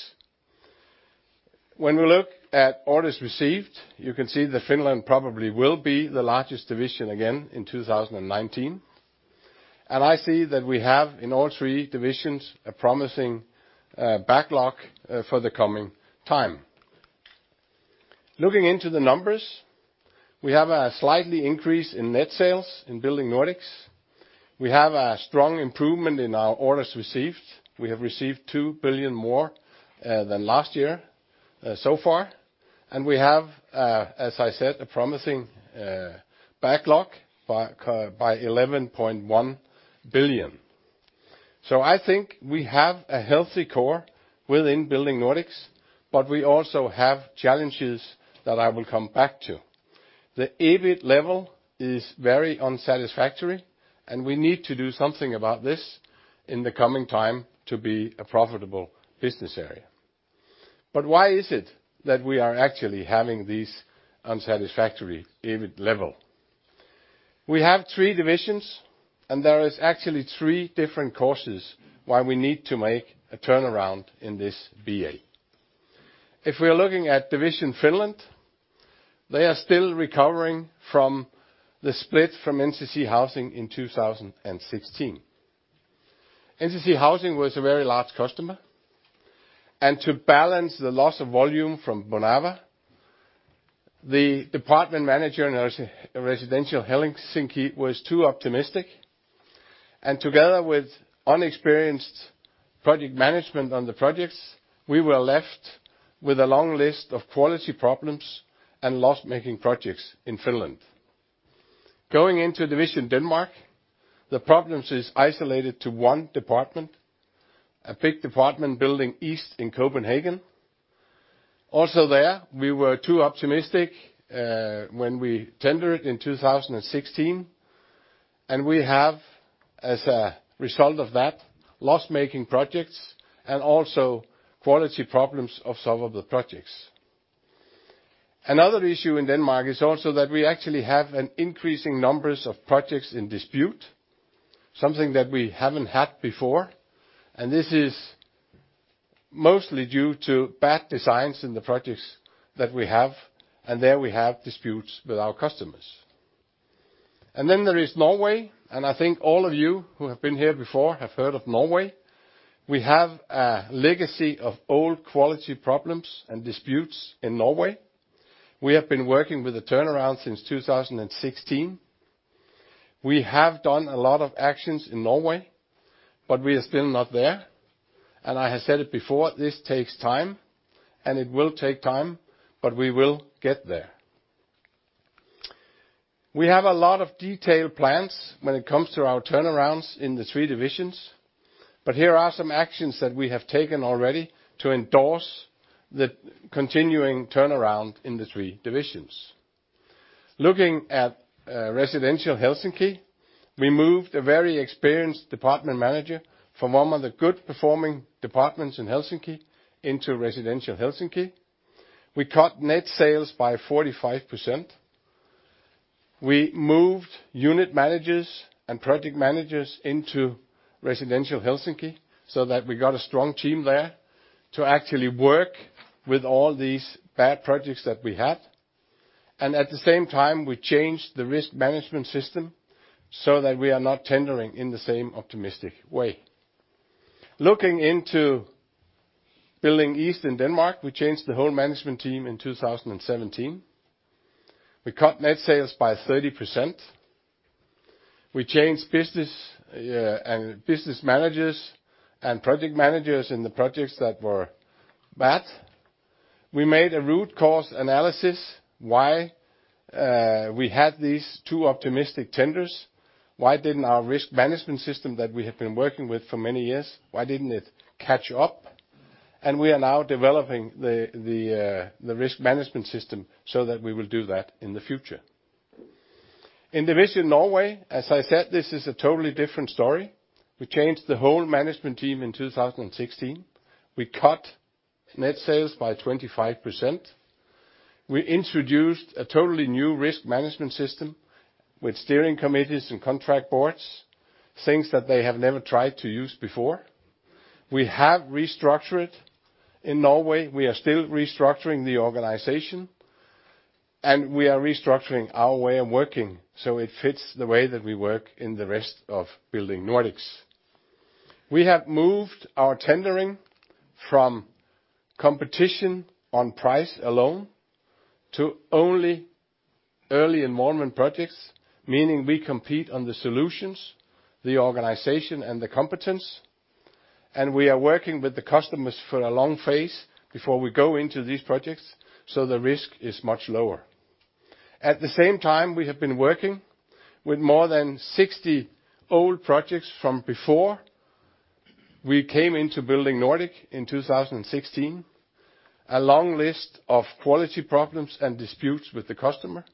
S7: When we look at orders received, you can see that Finland probably will be the largest division again in 2019, and I see that we have, in all three divisions, a promising backlog for the coming time. Looking into the numbers, we have a slightly increase in net sales in Building Nordics. We have a strong improvement in our orders received. We have received 2 billion more than last year so far, and we have, as I said, a promising backlog of 11.1 billion. So I think we have a healthy core within Building Nordics, but we also have challenges that I will come back to. The EBIT level is very unsatisfactory, and we need to do something about this in the coming time to be a profitable business area. But why is it that we are actually having this unsatisfactory EBIT level? We have three divisions, and there is actually three different causes why we need to make a turnaround in this BA. If we are looking at division Finland, they are still recovering from the split from NCC Housing in 2016. NCC Housing was a very large customer, and to balance the loss of volume from Bonava, the department manager in Residential Helsinki was too optimistic, and together with inexperienced project management on the projects, we were left with a long list of quality problems and loss-making projects in Finland.... Going into division Denmark, the problems is isolated to one department, a big department Building East in Copenhagen. Also there, we were too optimistic when we tendered in 2016, and we have, as a result of that, loss-making projects and also quality problems of some of the projects. Another issue in Denmark is also that we actually have an increasing numbers of projects in dispute, something that we haven't had before, and this is mostly due to bad designs in the projects that we have, and there we have disputes with our customers. And then there is Norway, and I think all of you who have been here before have heard of Norway. We have a legacy of old quality problems and disputes in Norway. We have been working with the turnaround since 2016. We have done a lot of actions in Norway, but we are still not there. I have said it before, this takes time, and it will take time, but we will get there. We have a lot of detailed plans when it comes to our turnarounds in the three divisions, but here are some actions that we have taken already to endorse the continuing turnaround in the three divisions. Looking at Residential Helsinki, we moved a very experienced department manager from one of the good performing departments in Helsinki into Residential Helsinki. We cut net sales by 45%. We moved unit managers and project managers into Residential Helsinki, so that we got a strong team there to actually work with all these bad projects that we had. At the same time, we changed the risk management system so that we are not tendering in the same optimistic way. Looking into Building East in Denmark, we changed the whole management team in 2017. We cut net sales by 30%. We changed business and business managers and project managers in the projects that were bad. We made a root cause analysis why we had these two optimistic tenders. Why didn't our risk management system that we had been working with for many years, why didn't it catch up? And we are now developing the risk management system so that we will do that in the future. In division Norway, as I said, this is a totally different story. We changed the whole management team in 2016. We cut net sales by 25%. We introduced a totally new risk management system with steering committees and contract boards, things that they have never tried to use before. We have restructured in Norway. We are still restructuring the organization, and we are restructuring our way of working, so it fits the way that we work in the rest of Building Nordics. We have moved our tendering from competition on price alone to only early involvement projects, meaning we compete on the solutions, the organization, and the competence, and we are working with the customers for a long phase before we go into these projects, so the risk is much lower. At the same time, we have been working with more than 60 old projects from before we came into Building Nordics in 2016. A long list of quality problems and disputes with the customer,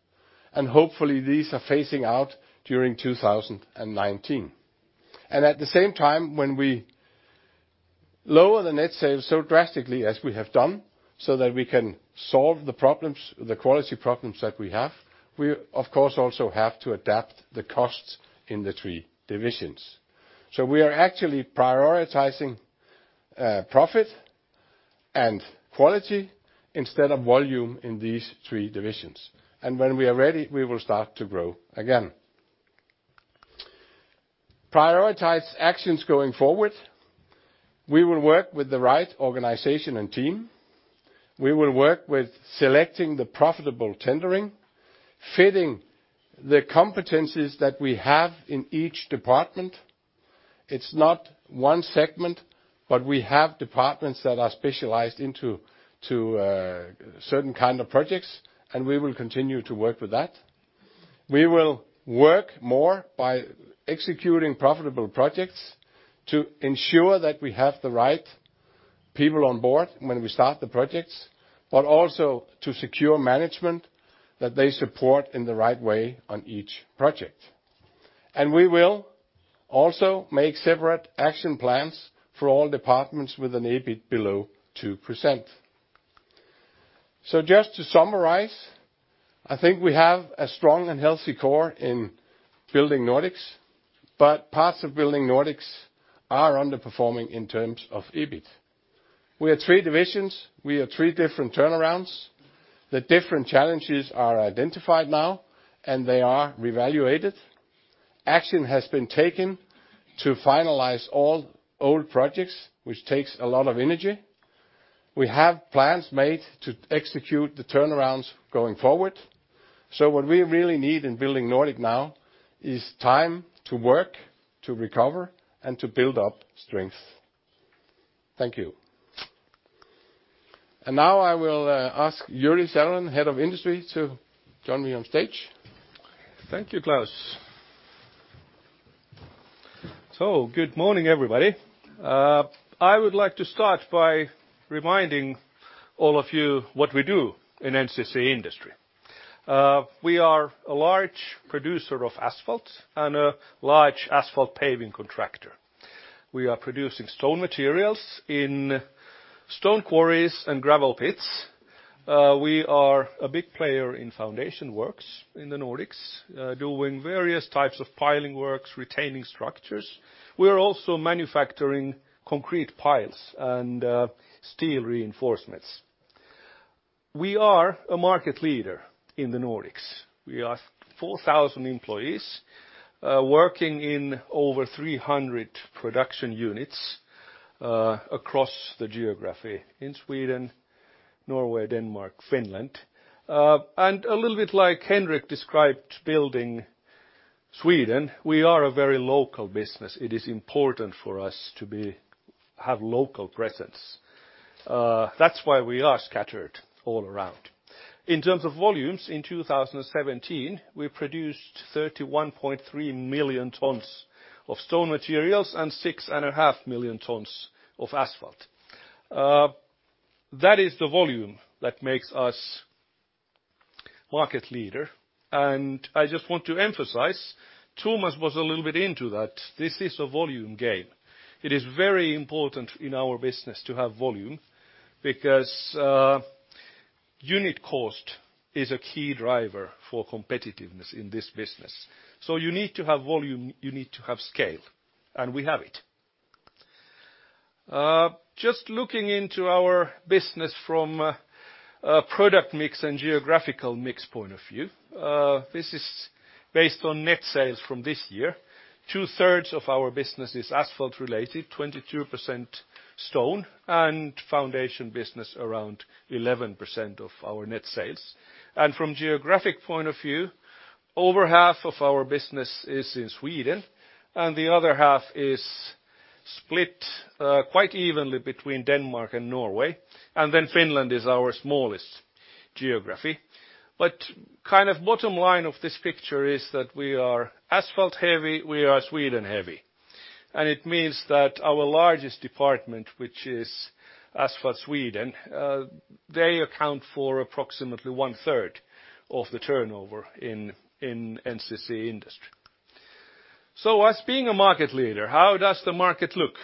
S7: and hopefully, these are phasing out during 2019. And at the same time, when we lower the net sales so drastically as we have done, so that we can solve the problems, the quality problems that we have, we, of course, also have to adapt the costs in the three divisions. So we are actually prioritizing profit and quality instead of volume in these three divisions. And when we are ready, we will start to grow again. Prioritized actions going forward, we will work with the right organization and team. We will work with selecting the profitable tendering, fitting the competencies that we have in each department. It's not one segment, but we have departments that are specialized into certain kind of projects, and we will continue to work with that. We will work more by executing profitable projects to ensure that we have the right people on board when we starts the projects, but also to secure management that they support in the right way on each project. We will also make separate action plans for all departments with an EBIT below 2%. So just to summarize, I think we have a strong and healthy core in Building Nordics, but parts of Building Nordics are underperforming in terms of EBIT. We are three divisions. We are three different turnarounds. The different challenges are identified now, and they are reevaluated. Action has been taken to finalize all old projects, which takes a lot of energy. We have plans made to execute the turnarounds going forward. So what we really need in Building Nordics now is time to work, to recover, and to build up strength. Thank you. And now I will ask Jyri Salonen, Head of Industry, to join me on stage.
S8: Thank you, Klaus. So good morning, everybody. I would like to start by reminding all of you what we do in NCC Industry. We are a large producer of asphalt and a large asphalt paving contractor. We are producing stone materials in stone quarries and gravel pits. We are a big player in foundation works in the Nordics, doing various types of piling works, retaining structures. We are also manufacturing concrete piles and steel reinforcements. We are a market leader in the Nordics. We are 4,000 employees, working in over 300 production units, across the geography in Sweden, Norway, Denmark, Finland. And a little bit like Henrik described Building Sweden, we are a very local business. It is important for us to have local presence. That's why we are scattered all around. In terms of volumes, in 2017, we produced 31.3 million tons of stone materials and 6.5 million tons of asphalt. That is the volume that makes us market leader, and I just want to emphasize, Tomas was a little bit into that, this is a volume game. It is very important in our business to have volume because unit cost is a key driver for competitiveness in this business. So you need to have volume, you need to have scale, and we have it. Just looking into our business from a product mix and geographical mix point of view, this is based on net sales from this year. Two-thirds of our business is asphalt related, 22% stone, and foundation business around 11% of our net sales. From geographic point of view, over half of our business is in Sweden, and the other half is split quite evenly between Denmark and Norway, and then Finland is our smallest geography. But kind of bottom line of this picture is that we are asphalt heavy, we are Sweden heavy, and it means that our largest department, which is Asphalt Sweden, they account for approximately one-third of the turnover in NCC Industry. So as being a market leader, how does the market look?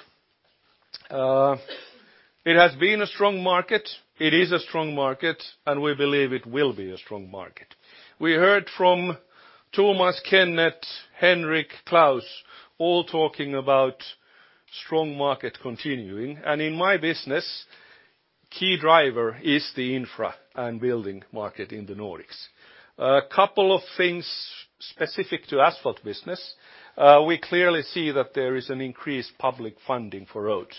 S8: It has been a strong market, it is a strong market, and we believe it will be a strong market. We heard from Tomas, Kenneth, Henrik, Klaus, all talking about strong market continuing, and in my business, key driver is the Infra and building market in the Nordics. A couple of things specific to asphalt business, we clearly see that there is an increased public funding for roads.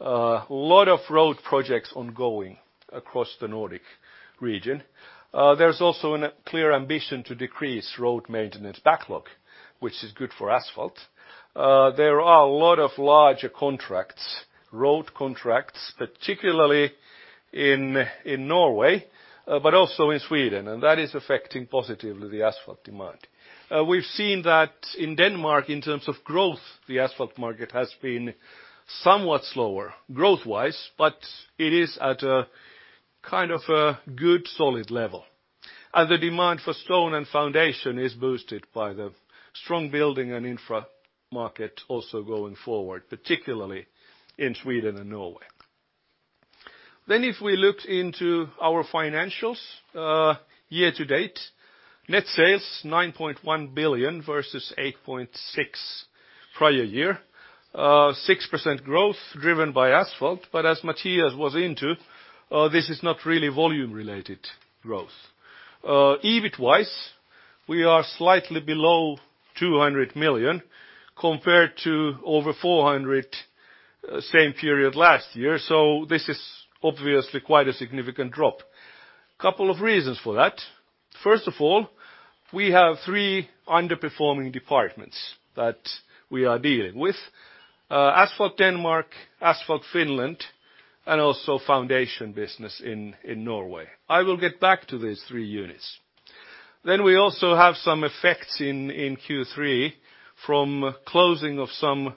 S8: A lot of road projects ongoing across the Nordic region. There's also a clear ambition to decrease road maintenance backlog, which is good for asphalt. There are a lot of larger contracts, road contracts, particularly in Norway, but also in Sweden, and that is affecting positively the asphalt demand. We've seen that in Denmark, in terms of growth, the asphalt market has been somewhat slower, growth-wise, but it is at a kind of a good, solid level. The demand for stone and foundation is boosted by the strong building and Infra market also going forward, particularly in Sweden and Norway. Then if we looked into our financials, year to date, net sales 9.1 billion versus 8.6 billion prior year. Six percent growth driven by asphalt, but as Mattias was into, this is not really volume-related growth. EBIT-wise, we are slightly below 200 million, compared to over 400 million, same period last year, so this is obviously quite a significant drop. Couple of reasons for that. First of all, we have three underperforming departments that we are dealing with: Asphalt Denmark, Asphalt Finland, and also foundation business in Norway. I will get back to these three units. Then we also have some effects in Q3 from closing of some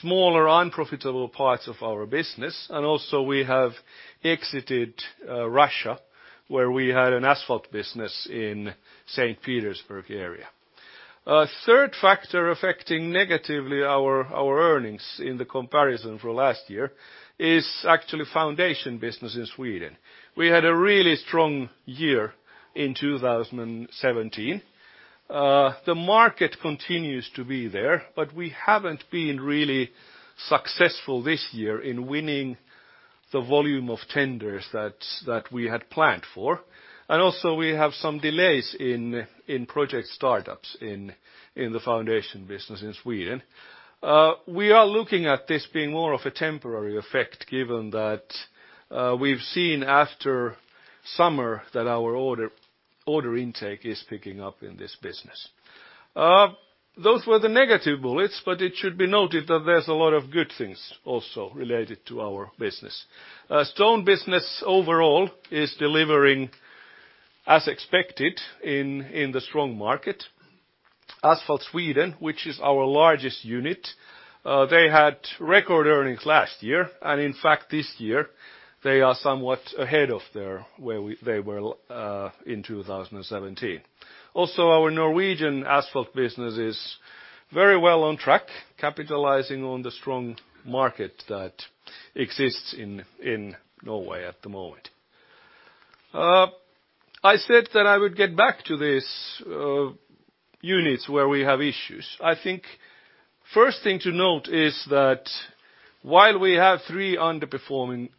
S8: smaller, unprofitable parts of our business, and also we have exited Russia, where we had an asphalt business in St. Petersburg area. A third factor affecting negatively our, our earnings in the comparison for last year is actually foundation business in Sweden. We had a really strong year in 2017. The market continues to be there, but we haven't been really successful this year in winning the volume of tenders that, that we had planned for. And also, we have some delays in, in project startups in, in the foundation business in Sweden. We are looking at this being more of a temporary effect, given that, we've seen after summer that our order, order intake is picking up in this business. Those were the negative bullets, but it should be noted that there's a lot of good things also related to our business. Stone business overall is delivering as expected in the strong market. Asphalt Sweden, which is our largest unit, they had record earnings last year, and in fact, this year they are somewhat ahead of where they were in 2017. Also, our Norwegian asphalt business is very well on track, capitalizing on the strong market that exists in Norway at the moment. I said that I would get back to these units where we have issues. I think first thing to note is that while we have three underperforming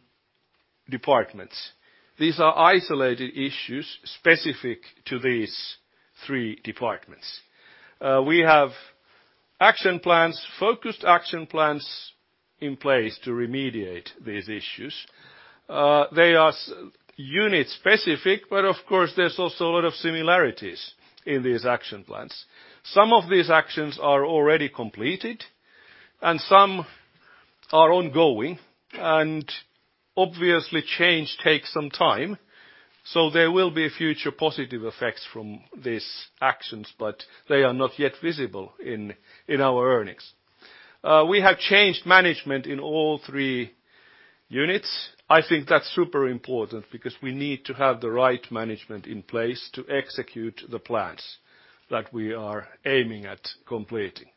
S8: departments, these are isolated issues specific to these three departments. We have action plans, focused action plans in place to remediate these issues. They are unit specific, but of course, there's also a lot of similarities in these action plans. Some of these actions are already completed and some are ongoing, and obviously change takes some time, so there will be future positive effects from these actions, but they are not yet visible in our earnings. We have changed management in all three units. I think that's super important because we need to have the right management in place to execute the plans that we are aiming at completing.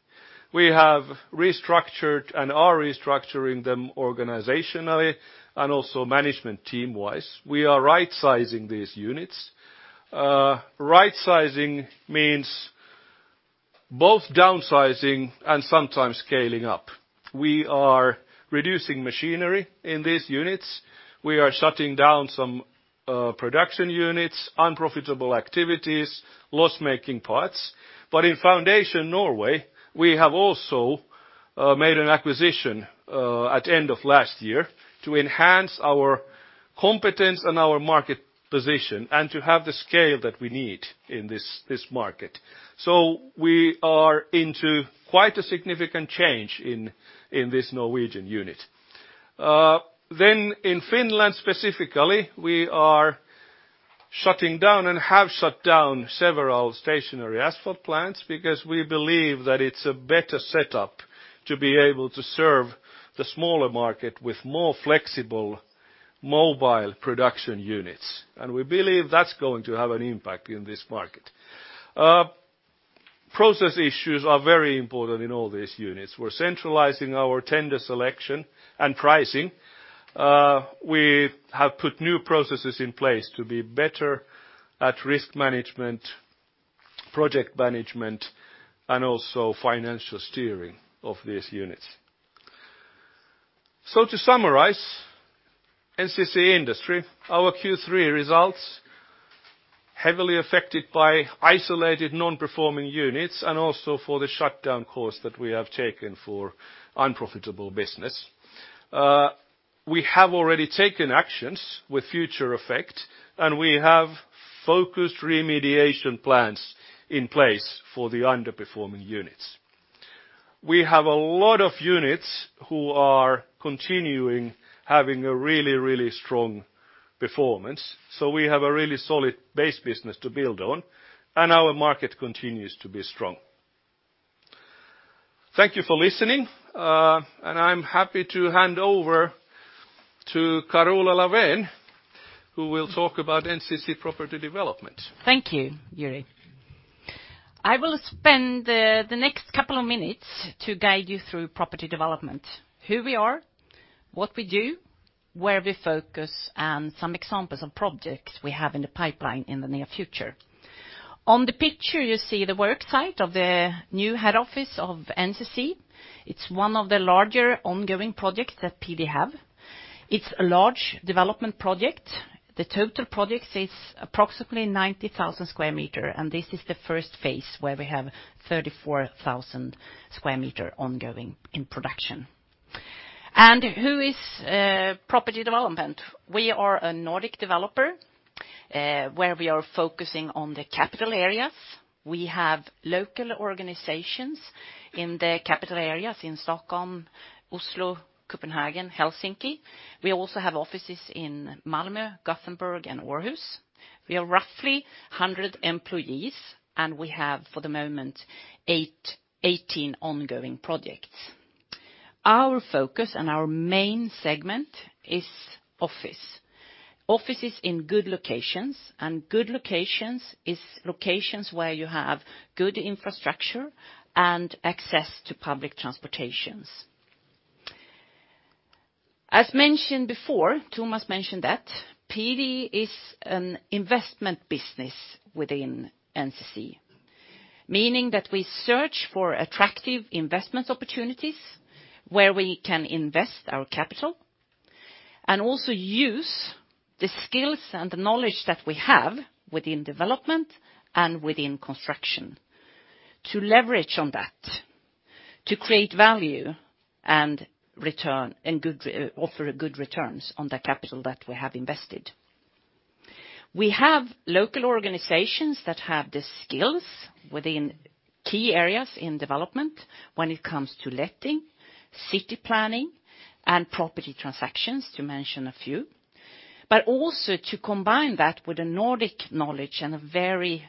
S8: We have restructured and are restructuring them organizationally and also management team-wise. We are rightsizing these units. Rightsizing means both downsizing and sometimes scaling up. We are reducing machinery in these units. We are shutting down some production units, unprofitable activities, loss-making parts. But in Foundation Norway, we have also made an acquisition at end of last year to enhance our competence and our market position, and to have the scale that we need in this, this market. So we are into quite a significant change in, in this Norwegian unit. Then in Finland specifically, we are shutting down and have shut down several stationary asphalt plants because we believe that it's a better setup to be able to serve the smaller market with more flexible mobile production units, and we believe that's going to have an impact in this market. Process issues are very important in all these units. We're centralizing our tender selection and pricing. We have put new processes in place to be better at risk management, project management, and also financial steering of these units. So to summarize, NCC Industry, our Q3 results, heavily affected by isolated non-performing units and also for the shutdown course that we have taken for unprofitable business. We have already taken actions with future effect, and we have focused remediation plans in place for the underperforming units. We have a lot of units who are continuing having a really, really strong performance, so we have a really solid base business to build on, and our market continues to be strong. Thank you for listening, and I'm happy to hand over to Carola Lavén, who will talk about NCC Property Development.
S9: Thank you, Jyri. I will spend the next couple of minutes to guide you through Droperty development, who we are, what we do, where we focus, and some examples of projects we have in the pipeline in the near future. On the picture, you see the work site of the new head office of NCC. It's one of the larger ongoing projects that PD have. It's a large development project. The total project is approximately 90,000 sq m, and this is the first phase where we have 34,000 sq m ongoing in production. Who is Property Development? We are a Nordic developer, where we are focusing on the capital areas. We have local organizations in the capital areas in Stockholm, Oslo, Copenhagen, Helsinki. We also have offices in Malmö, Gothenburg, and Aarhus. We are roughly 100 employees, and we have, for the moment, 18 ongoing projects. Our focus and our main segment is office. Offices in good locations, and good locations is locations where you have good infrastructure and access to public transportation. As mentioned before, Tomas mentioned that PD is an investment business within NCC, meaning that we search for attractive investment opportunities where we can invest our capital, and also use the skills and the knowledge that we have within development and within construction to leverage on that… to create value and return, and offer good returns on the capital that we have invested. We have local organizations that have the skills within key areas in development when it comes to letting, city planning, and property transactions, to mention a few. But also to combine that with a Nordic knowledge and a very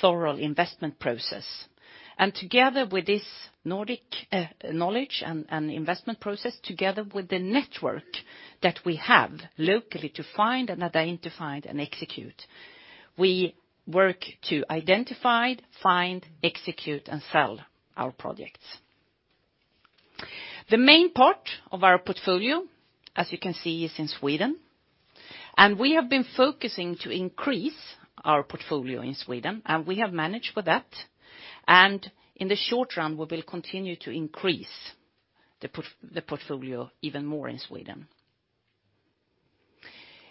S9: thorough investment process. And together with this Nordic knowledge and investment process, together with the network that we have locally to find, and identify, and execute, we work to identify, find, execute, and sell our projects. The main part of our portfolio, as you can see, is in Sweden, and we have been focusing to increase our portfolio in Sweden, and we have managed with that. And in the short run, we will continue to increase the portfolio even more in Sweden.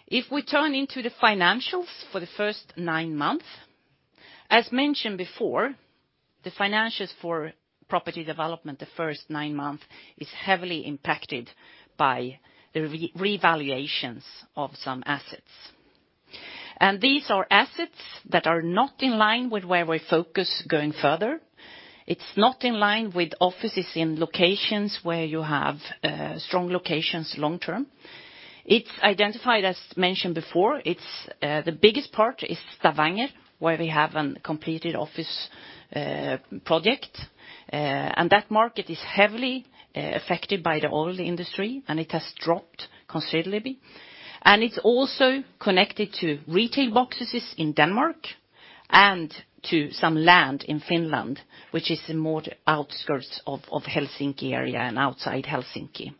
S9: If we turn into the financials for the first nine months, as mentioned before, the financials for Property Development, the first nine months, is heavily impacted by the revaluations of some assets. And these are assets that are not in line with where we focus going further. It's not in line with offices in locations where you have strong locations long-term. It's identified, as mentioned before, it's the biggest part is Stavanger, where we have a completed office project. That market is heavily affected by the oil industry, and it has dropped considerably. It's also connected to retail boxes in Denmark, and to some land in Finland, which is in more the outskirts of the Helsinki area and outside Helsinki.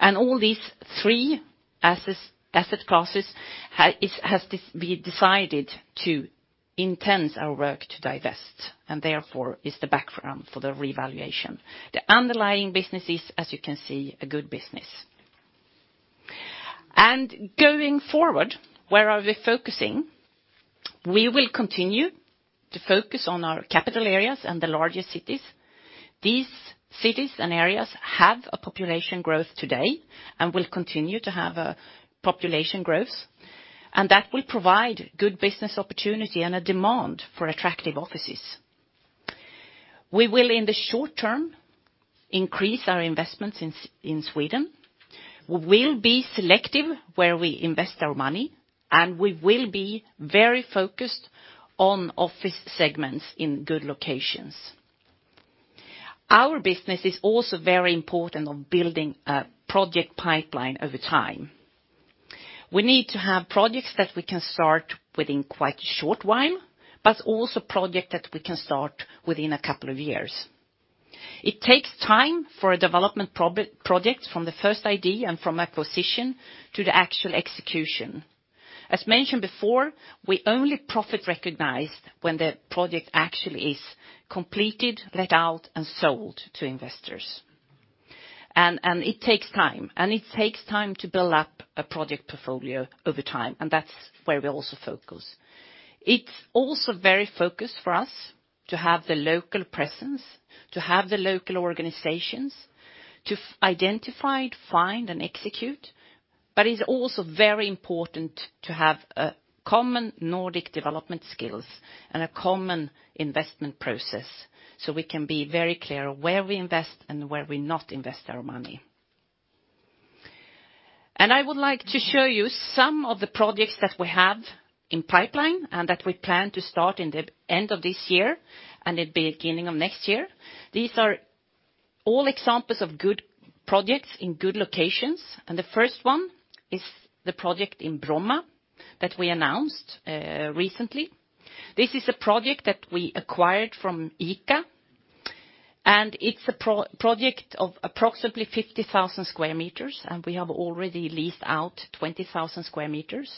S9: All these three asset classes has to be decided to intense our work to divest, and therefore is the background for the revaluation. The underlying business is, as you can see, a good business. Going forward, where are we focusing? We will continue to focus on our capital areas and the larger cities. These cities and areas have a population growth today, and will continue to have a population growth, and that will provide good business opportunity and a demand for attractive offices. We will, in the short term, increase our investments in Sweden. We will be selective where we invest our money, and we will be very focused on office segments in good locations. Our business is also very important on building a project pipeline over time. We need to have projects that we can start within quite a short time, but also projects that we can start within a couple of years. It takes time for a development project from the first idea and from acquisition to the actual execution. As mentioned before, we only recognize profit when the project actually is completed, let out, and sold to investors. It takes time to build up a project portfolio over time, and that's where we also focus. It's also very focused for us to have the local presence, to have the local organizations, to identify, find, and execute, but it's also very important to have a common Nordic development skills and a common investment process, so we can be very clear where we invest and where we not invest our money. I would like to show you some of the projects that we have in pipeline, and that we plan to start in the end of this year and the beginning of next year. These are all examples of good projects in good locations, and the first one is the project in Bromma that we announced recently. This is a project that we acquired from ICA, and it's a project of approximately 50,000 square meters, and we have already leased out 20,000 square meters.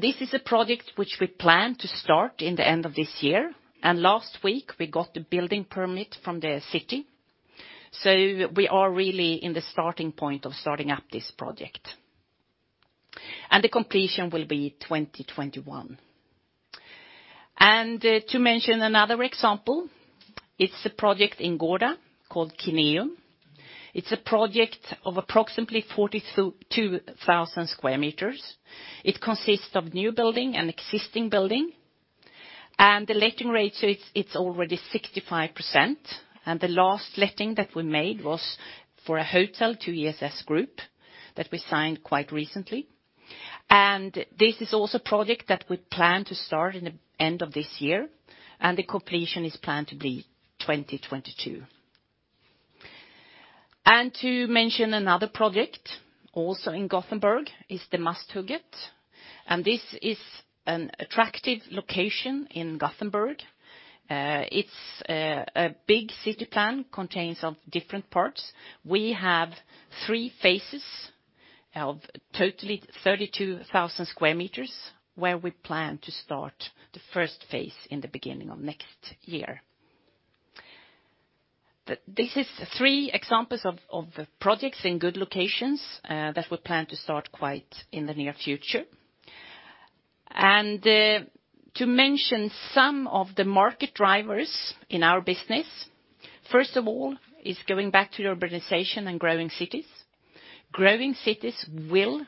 S9: This is a project which we plan to start in the end of this year, and last week we got the building permit from the city. So we are really in the starting point of starting up this project. The completion will be 2021. To mention another example, it's a project in Gothenburg called Kineum. It's a project of approximately 42,000 square meters. It consists of new building and existing building, and the letting rate, so it's already 65%, and the last letting that we made was for a hotel, ESS Group, that we signed quite recently. This is also a project that we plan to start in the end of this year, and the completion is planned to be 2022. To mention another project, also in Gothenburg, is the Masthugget, and this is an attractive location in Gothenburg. It's a big city plan, contains of different parts. We have three phases of totally 32,000 square meters, where we plan to start the first phase in the beginning of next year. This is three examples of projects in good locations that we plan to start quite in the near future. To mention some of the market drivers in our business, first of all, is going back to urbanization and growing cities. Growing cities will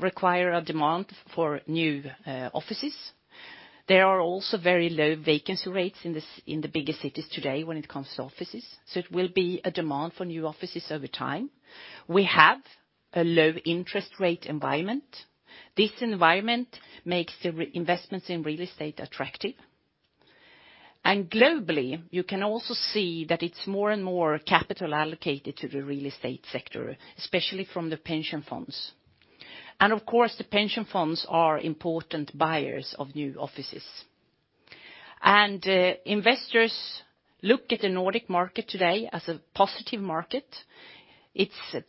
S9: require a demand for new offices. There are also very low vacancy rates in the bigger cities today when it comes to offices, so it will be a demand for new offices over time. We have a low interest rate environment. This environment makes the investments in real estate attractive. And globally, you can also see that it's more and more capital allocated to the real estate sector, especially from the pension funds. And of course, the pension funds are important buyers of new offices. And investors look at the Nordic market today as a positive market. It's a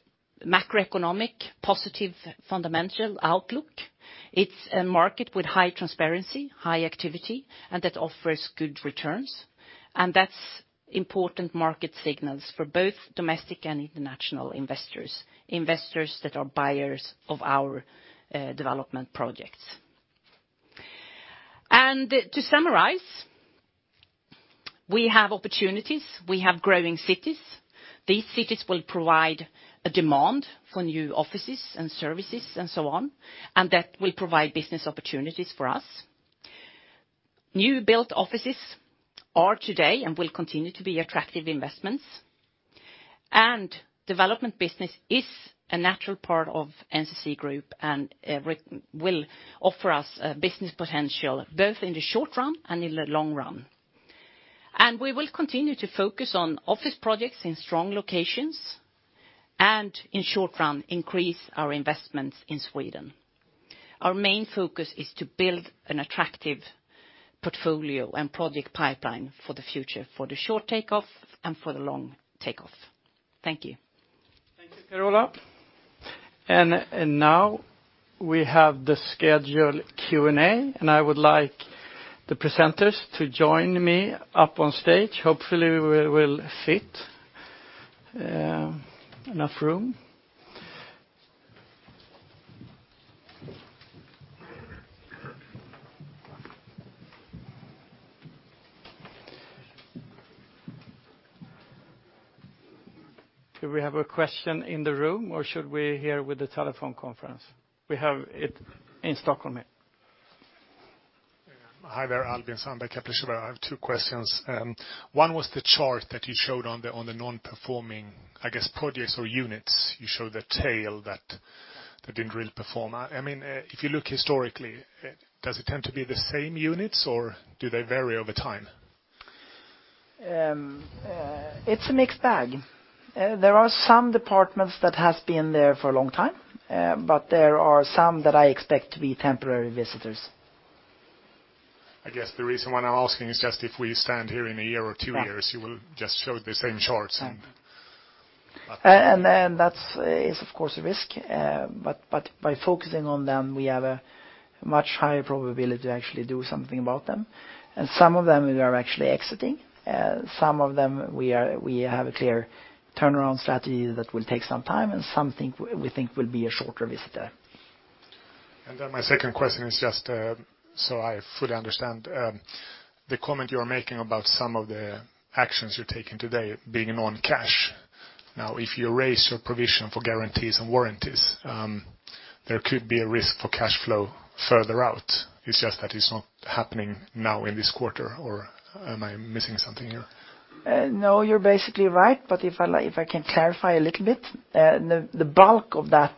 S9: macroeconomic, positive, fundamental outlook. It's a market with high transparency, high activity, and that offers good returns, and that's important market signals for both domestic and international investors, investors that are buyers of our development projects. And to summarize, we have opportunities, we have growing cities. These cities will provide a demand for new offices and services and so on, and that will provide business opportunities for us. New-built offices are today, and will continue to be, attractive investments. And development business is a natural part of NCC Group, and will offer us a business potential, both in the short run and in the long run. And we will continue to focus on office projects in strong locations, and in short run, increase our investments in Sweden. Our main focus is to build an attractive portfolio and project pipeline for the future, for the short takeoffs and for the long takeoffs. Thank you.
S1: Thank you, Carola. And now we have the scheduled Q&A, and I would like the presenters to join me up on stage. Hopefully, we will fit enough room. Do we have a question in the room, or should we hear with the telephone conference? We have it in Stockholm here.
S10: Hi there, Albin Sandberg, Kepler. I have two questions. One was the chart that you showed on the non-performing, I guess, projects or units. You showed the tail that didn't really perform. I mean, if you look historically, does it tend to be the same units, or do they vary over time?
S9: It's a mixed bag. There are some departments that has been there for a long time, but there are some that I expect to be temporary visitors.
S10: I guess the reason why I'm asking is just if we stand here in a year or two years-
S9: Right.
S10: You will just show the same charts and
S9: And that's of course a risk. But by focusing on them, we have a much higher probability to actually do something about them. And some of them we are actually exiting, some of them we have a clear turnaround strategy that will take some time, and some things we think will be a shorter visitor.
S10: Then my second question is just, so I fully understand, the comment you are making about some of the actions you're taking today being non-cash. Now, if you raise your provision for guarantees and warranties, there could be a risk for cash flow further out. It's just that it's not happening now in this quarter, or am I missing something here?
S9: No, you're basically right, but if I can clarify a little bit, the bulk of that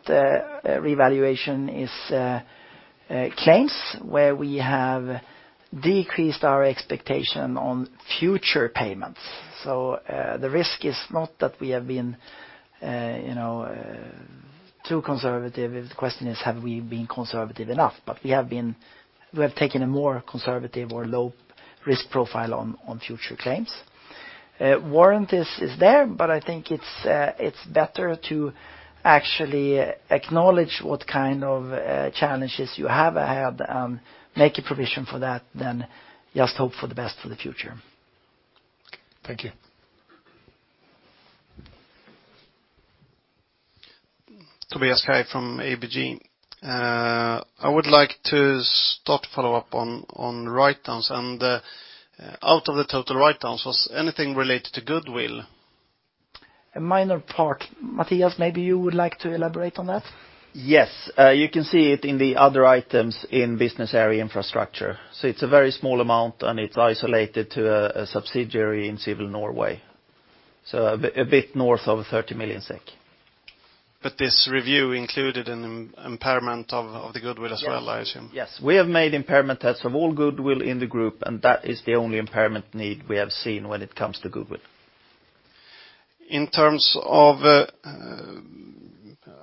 S9: revaluation is claims, where we have decreased our expectation on future payments. So, the risk is not that we have been, you know, too conservative. If the question is, have we been conservative enough? But we have taken a more conservative or low risk profile on future claims. Warranties is there, but I think it's better to actually acknowledge what kind of challenges you have had, make a provision for that, than just hope for the best for the future.
S10: Thank you.
S11: Tobias Kaj from ABG. I would like to start follow-up on, on write-downs, and, out of the total write-downs, was anything related to goodwill?
S9: A minor part. Mattias, maybe you would like to elaborate on that?
S3: Yes. You can see it in the other items in business area infrastructure. So it's a very small amount, and it's isolated to a subsidiary in Civil Norway. So a bit north of 30 million SEK.
S11: This review included an impairment of the goodwill as well, I assume?
S3: Yes. We have made impairment tests of all goodwill in the group, and that is the only impairment need we have seen when it comes to goodwill.
S11: In terms of, I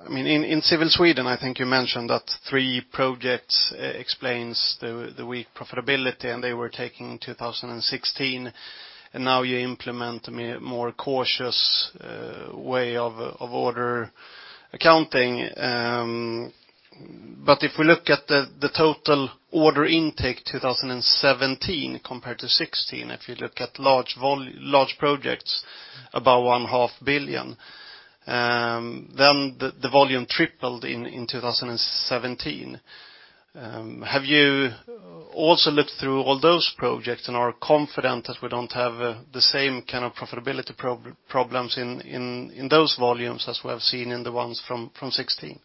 S11: mean, in Civil Sweden, I think you mentioned that three projects explain the weak profitability, and they were taken in 2016, and now you implement a more cautious way of order accounting. I mean, if we look at the total order intake, 2017 compared to 2016, if you look at large projects, about 1.5 billion, then the volume tripled in 2017. I mean, have you also looked through all those projects and are confident that we don't have the same kind of profitability problems in those volumes as we have seen in the ones from 2016?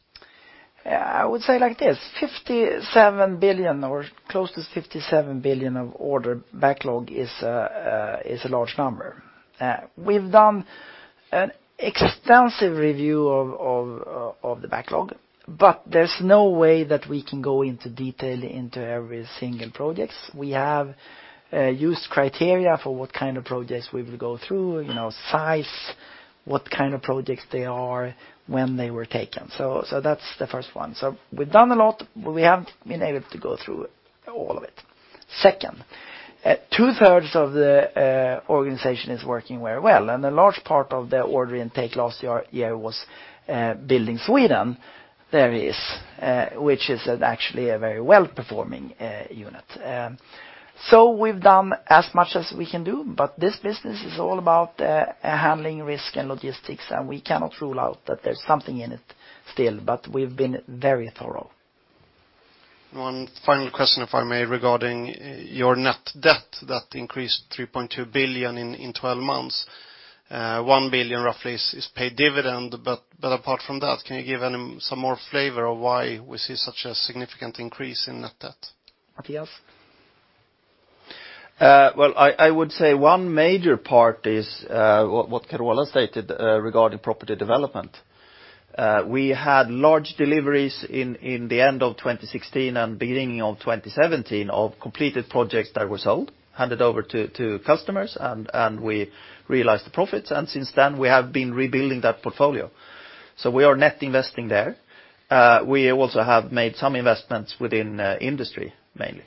S2: I would say like this, 57 billion or close to 57 billion of order backlog is a large number. We've done an extensive review of the backlog, but there's no way that we can go into detail into every single projects. We have used criteria for what kind of projects we will go through, you know, size, what kind of projects they are, when they were taken. So that's the first one. So we've done a lot, but we haven't been able to go through all of it. Second, two-thirds of the organization is working very well, and a large part of the order intake last year was Building Sweden, which is actually a very well-performing unit. We've done as much as we can do, but this business is all about handling risk and logistics, and we cannot rule out that there's something in it still, but we've been very thorough.
S11: One final question, if I may, regarding your net debt that increased 3.2 billion in 12 months. Roughly 1 billion is paid dividend, but apart from that, can you give some more flavor of why we see such a significant increase in net debt?
S2: Mattias?
S3: Well, I would say one major part is what Carola stated regarding property development. We had large deliveries in the end of 2016 and beginning of 2017 of completed projects that were sold, handed over to customers, and we realized the profits, and since then, we have been rebuilding that portfolio. So we are net investing there. We also have made some investments within industry, mainly.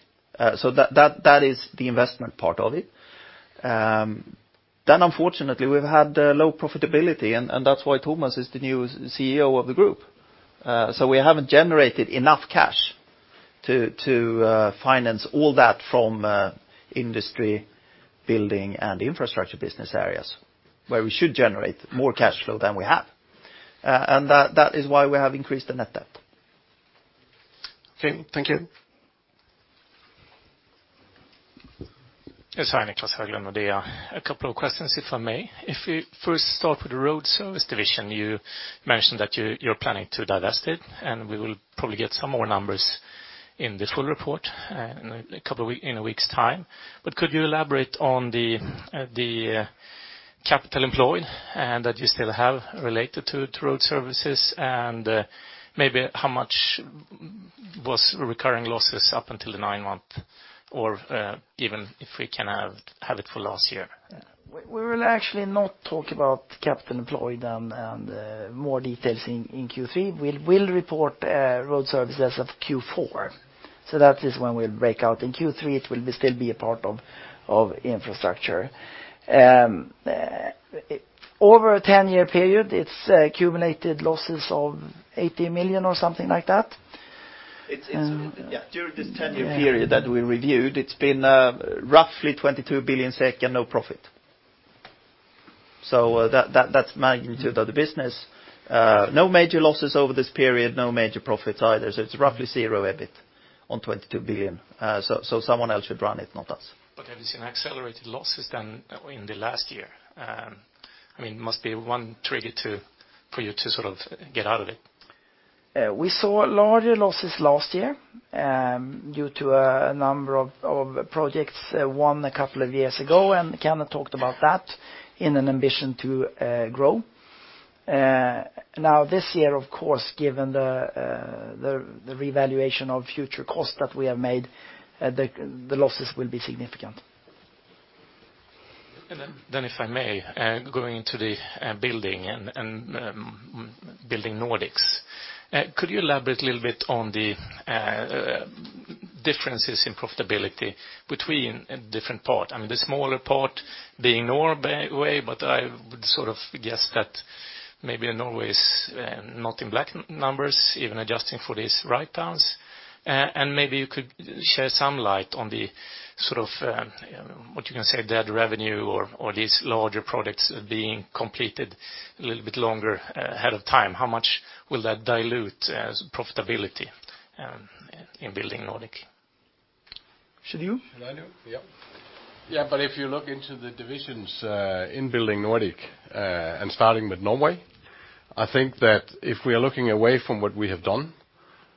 S3: So that is the investment part of it. Then unfortunately, we've had low profitability, and that's why Tomas is the new CEO of the group. So we haven't generated enough cash to finance all that from industry, building, and infrastructure business areas, where we should generate more cash flow than we have. And that is why we have increased the net debt.
S11: Okay, thank you.
S12: Yes, hi, Niclas Höglund with Nordea. A couple of questions, if I may. If we first start with the Road Service division, you mentioned that you, you're planning to divest it, and we will probably get some more numbers in the full report in a couple of week, in a week's time. But could you elaborate on the, the capital employed, and that you still have related to, to Road Services, and, maybe how much was recurring losses up until the nine month, or, even if we can have, have it for last year?
S2: We will actually not talk about capital employed and more details in Q3. We will report Road Services of Q4, so that is when we'll break out. In Q3, it will still be a part of infrastructure. Over a ten-year period, it's accumulated losses of 80 million or something like that.
S3: It's yeah, during this ten-year period that we reviewed, it's been roughly 22 billion and no profit. So, that's magnitude of the business. So someone else should run it, not us.
S12: But have you seen accelerated losses than in the last year? I mean, must be one trigger to, for you to sort of get out of it.
S2: We saw larger losses last year due to a number of projects, one a couple of years ago, and Kenneth talked about that in an ambition to grow. Now, this year, of course, given the revaluation of future costs that we have made, the losses will be significant.
S12: And then, then if I may, going into the building and Building Nordics. Could you elaborate a little bit on the differences in profitability between a different part? I mean, the smaller part being Norway, but I would sort of guess that maybe Norway's not in black numbers, even adjusting for these writedowns. And maybe you could shed some light on the sort of what you can say, dead revenue or these larger products being completed a little bit longer ahead of time. How much will that dilute profitability in Building Nordic?
S2: Should you?
S7: Should I do? Yeah. Yeah, but if you look into the divisions, in Building Nordics, and starting with Norway, I think that if we are looking away from what we have done,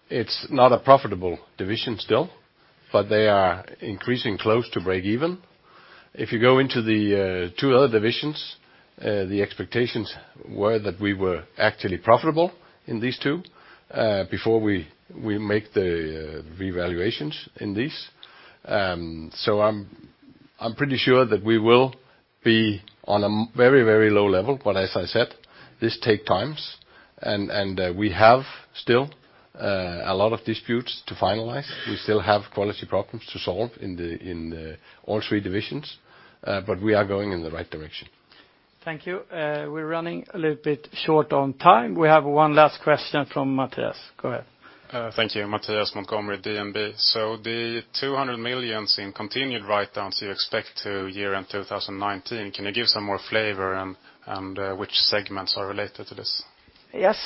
S7: it's not a profitable division still, but they are increasing close to breakeven. If you go into the two other divisions, the expectations were that we were actually profitable in these two, before we, we make the revaluations in these. So I'm, I'm pretty sure that we will be on a very, very low level, but as I said, this take times, and, and, we have still a lot of disputes to finalize. We still have quality problems to solve in the, in the, all three divisions, but we are going in the right direction.
S1: Thank you. We're running a little bit short on time. We have one last question from Mattias. Go ahead....
S12: Thank you, Matias Montgomery, DNB. So the 200 million in continued write-downs you expect to year-end 2019, can you give some more flavor and, and, which segments are related to this?
S2: Yes,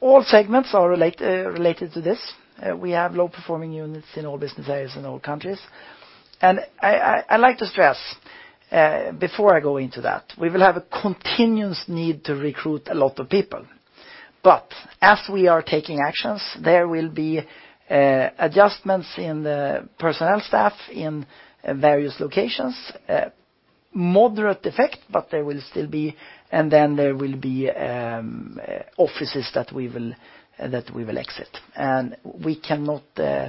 S2: all segments are related to this. We have low performing units in all business areas, in all countries. I'd like to stress, before I go into that, we will have a continuous need to recruit a lot of people. But as we are taking actions, there will be adjustments in the personnel staff in various locations. Moderate effect, but there will still be -- and then there will be offices that we will exit. And we cannot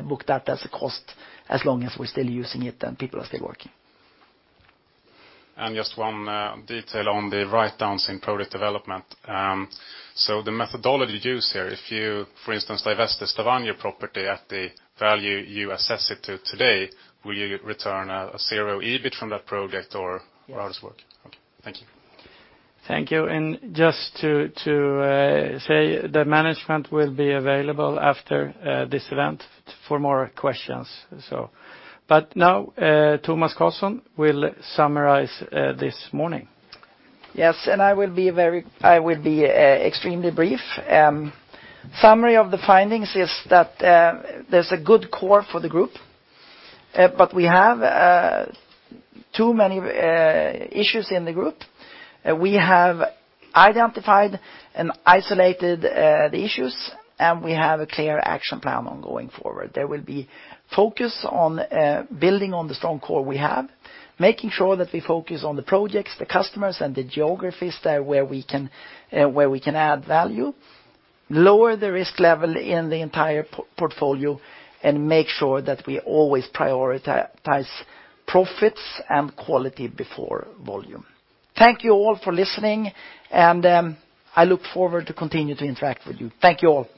S2: book that as a cost as long as we're still using it and people are still working.
S12: Just one detail on the write-downs in Property Development. The methodology used here, if you, for instance, divest the Stavanger property at the value you assess it to today, will you return a zero EBIT from that project or-
S2: Yes.
S12: Or how does it work? Okay, thank you.
S1: Thank you. And just to say the management will be available after this event for more questions, so. But now, Tomas Carlsson will summarize this morning.
S2: Yes, I will be extremely brief. Summary of the findings is that, there's a good core for the group, but we have too many issues in the group. We have identified and isolated the issues, and we have a clear action plan on going forward. There will be focus on building on the strong core we have, making sure that we focus on the projects, the customers, and the geographies there where we can, where we can add value. Lower the risk level in the entire portfolio, and make sure that we always prioritize profits and quality before volume. Thank you all for listening, and I look forward to continue to interact with you. Thank you all!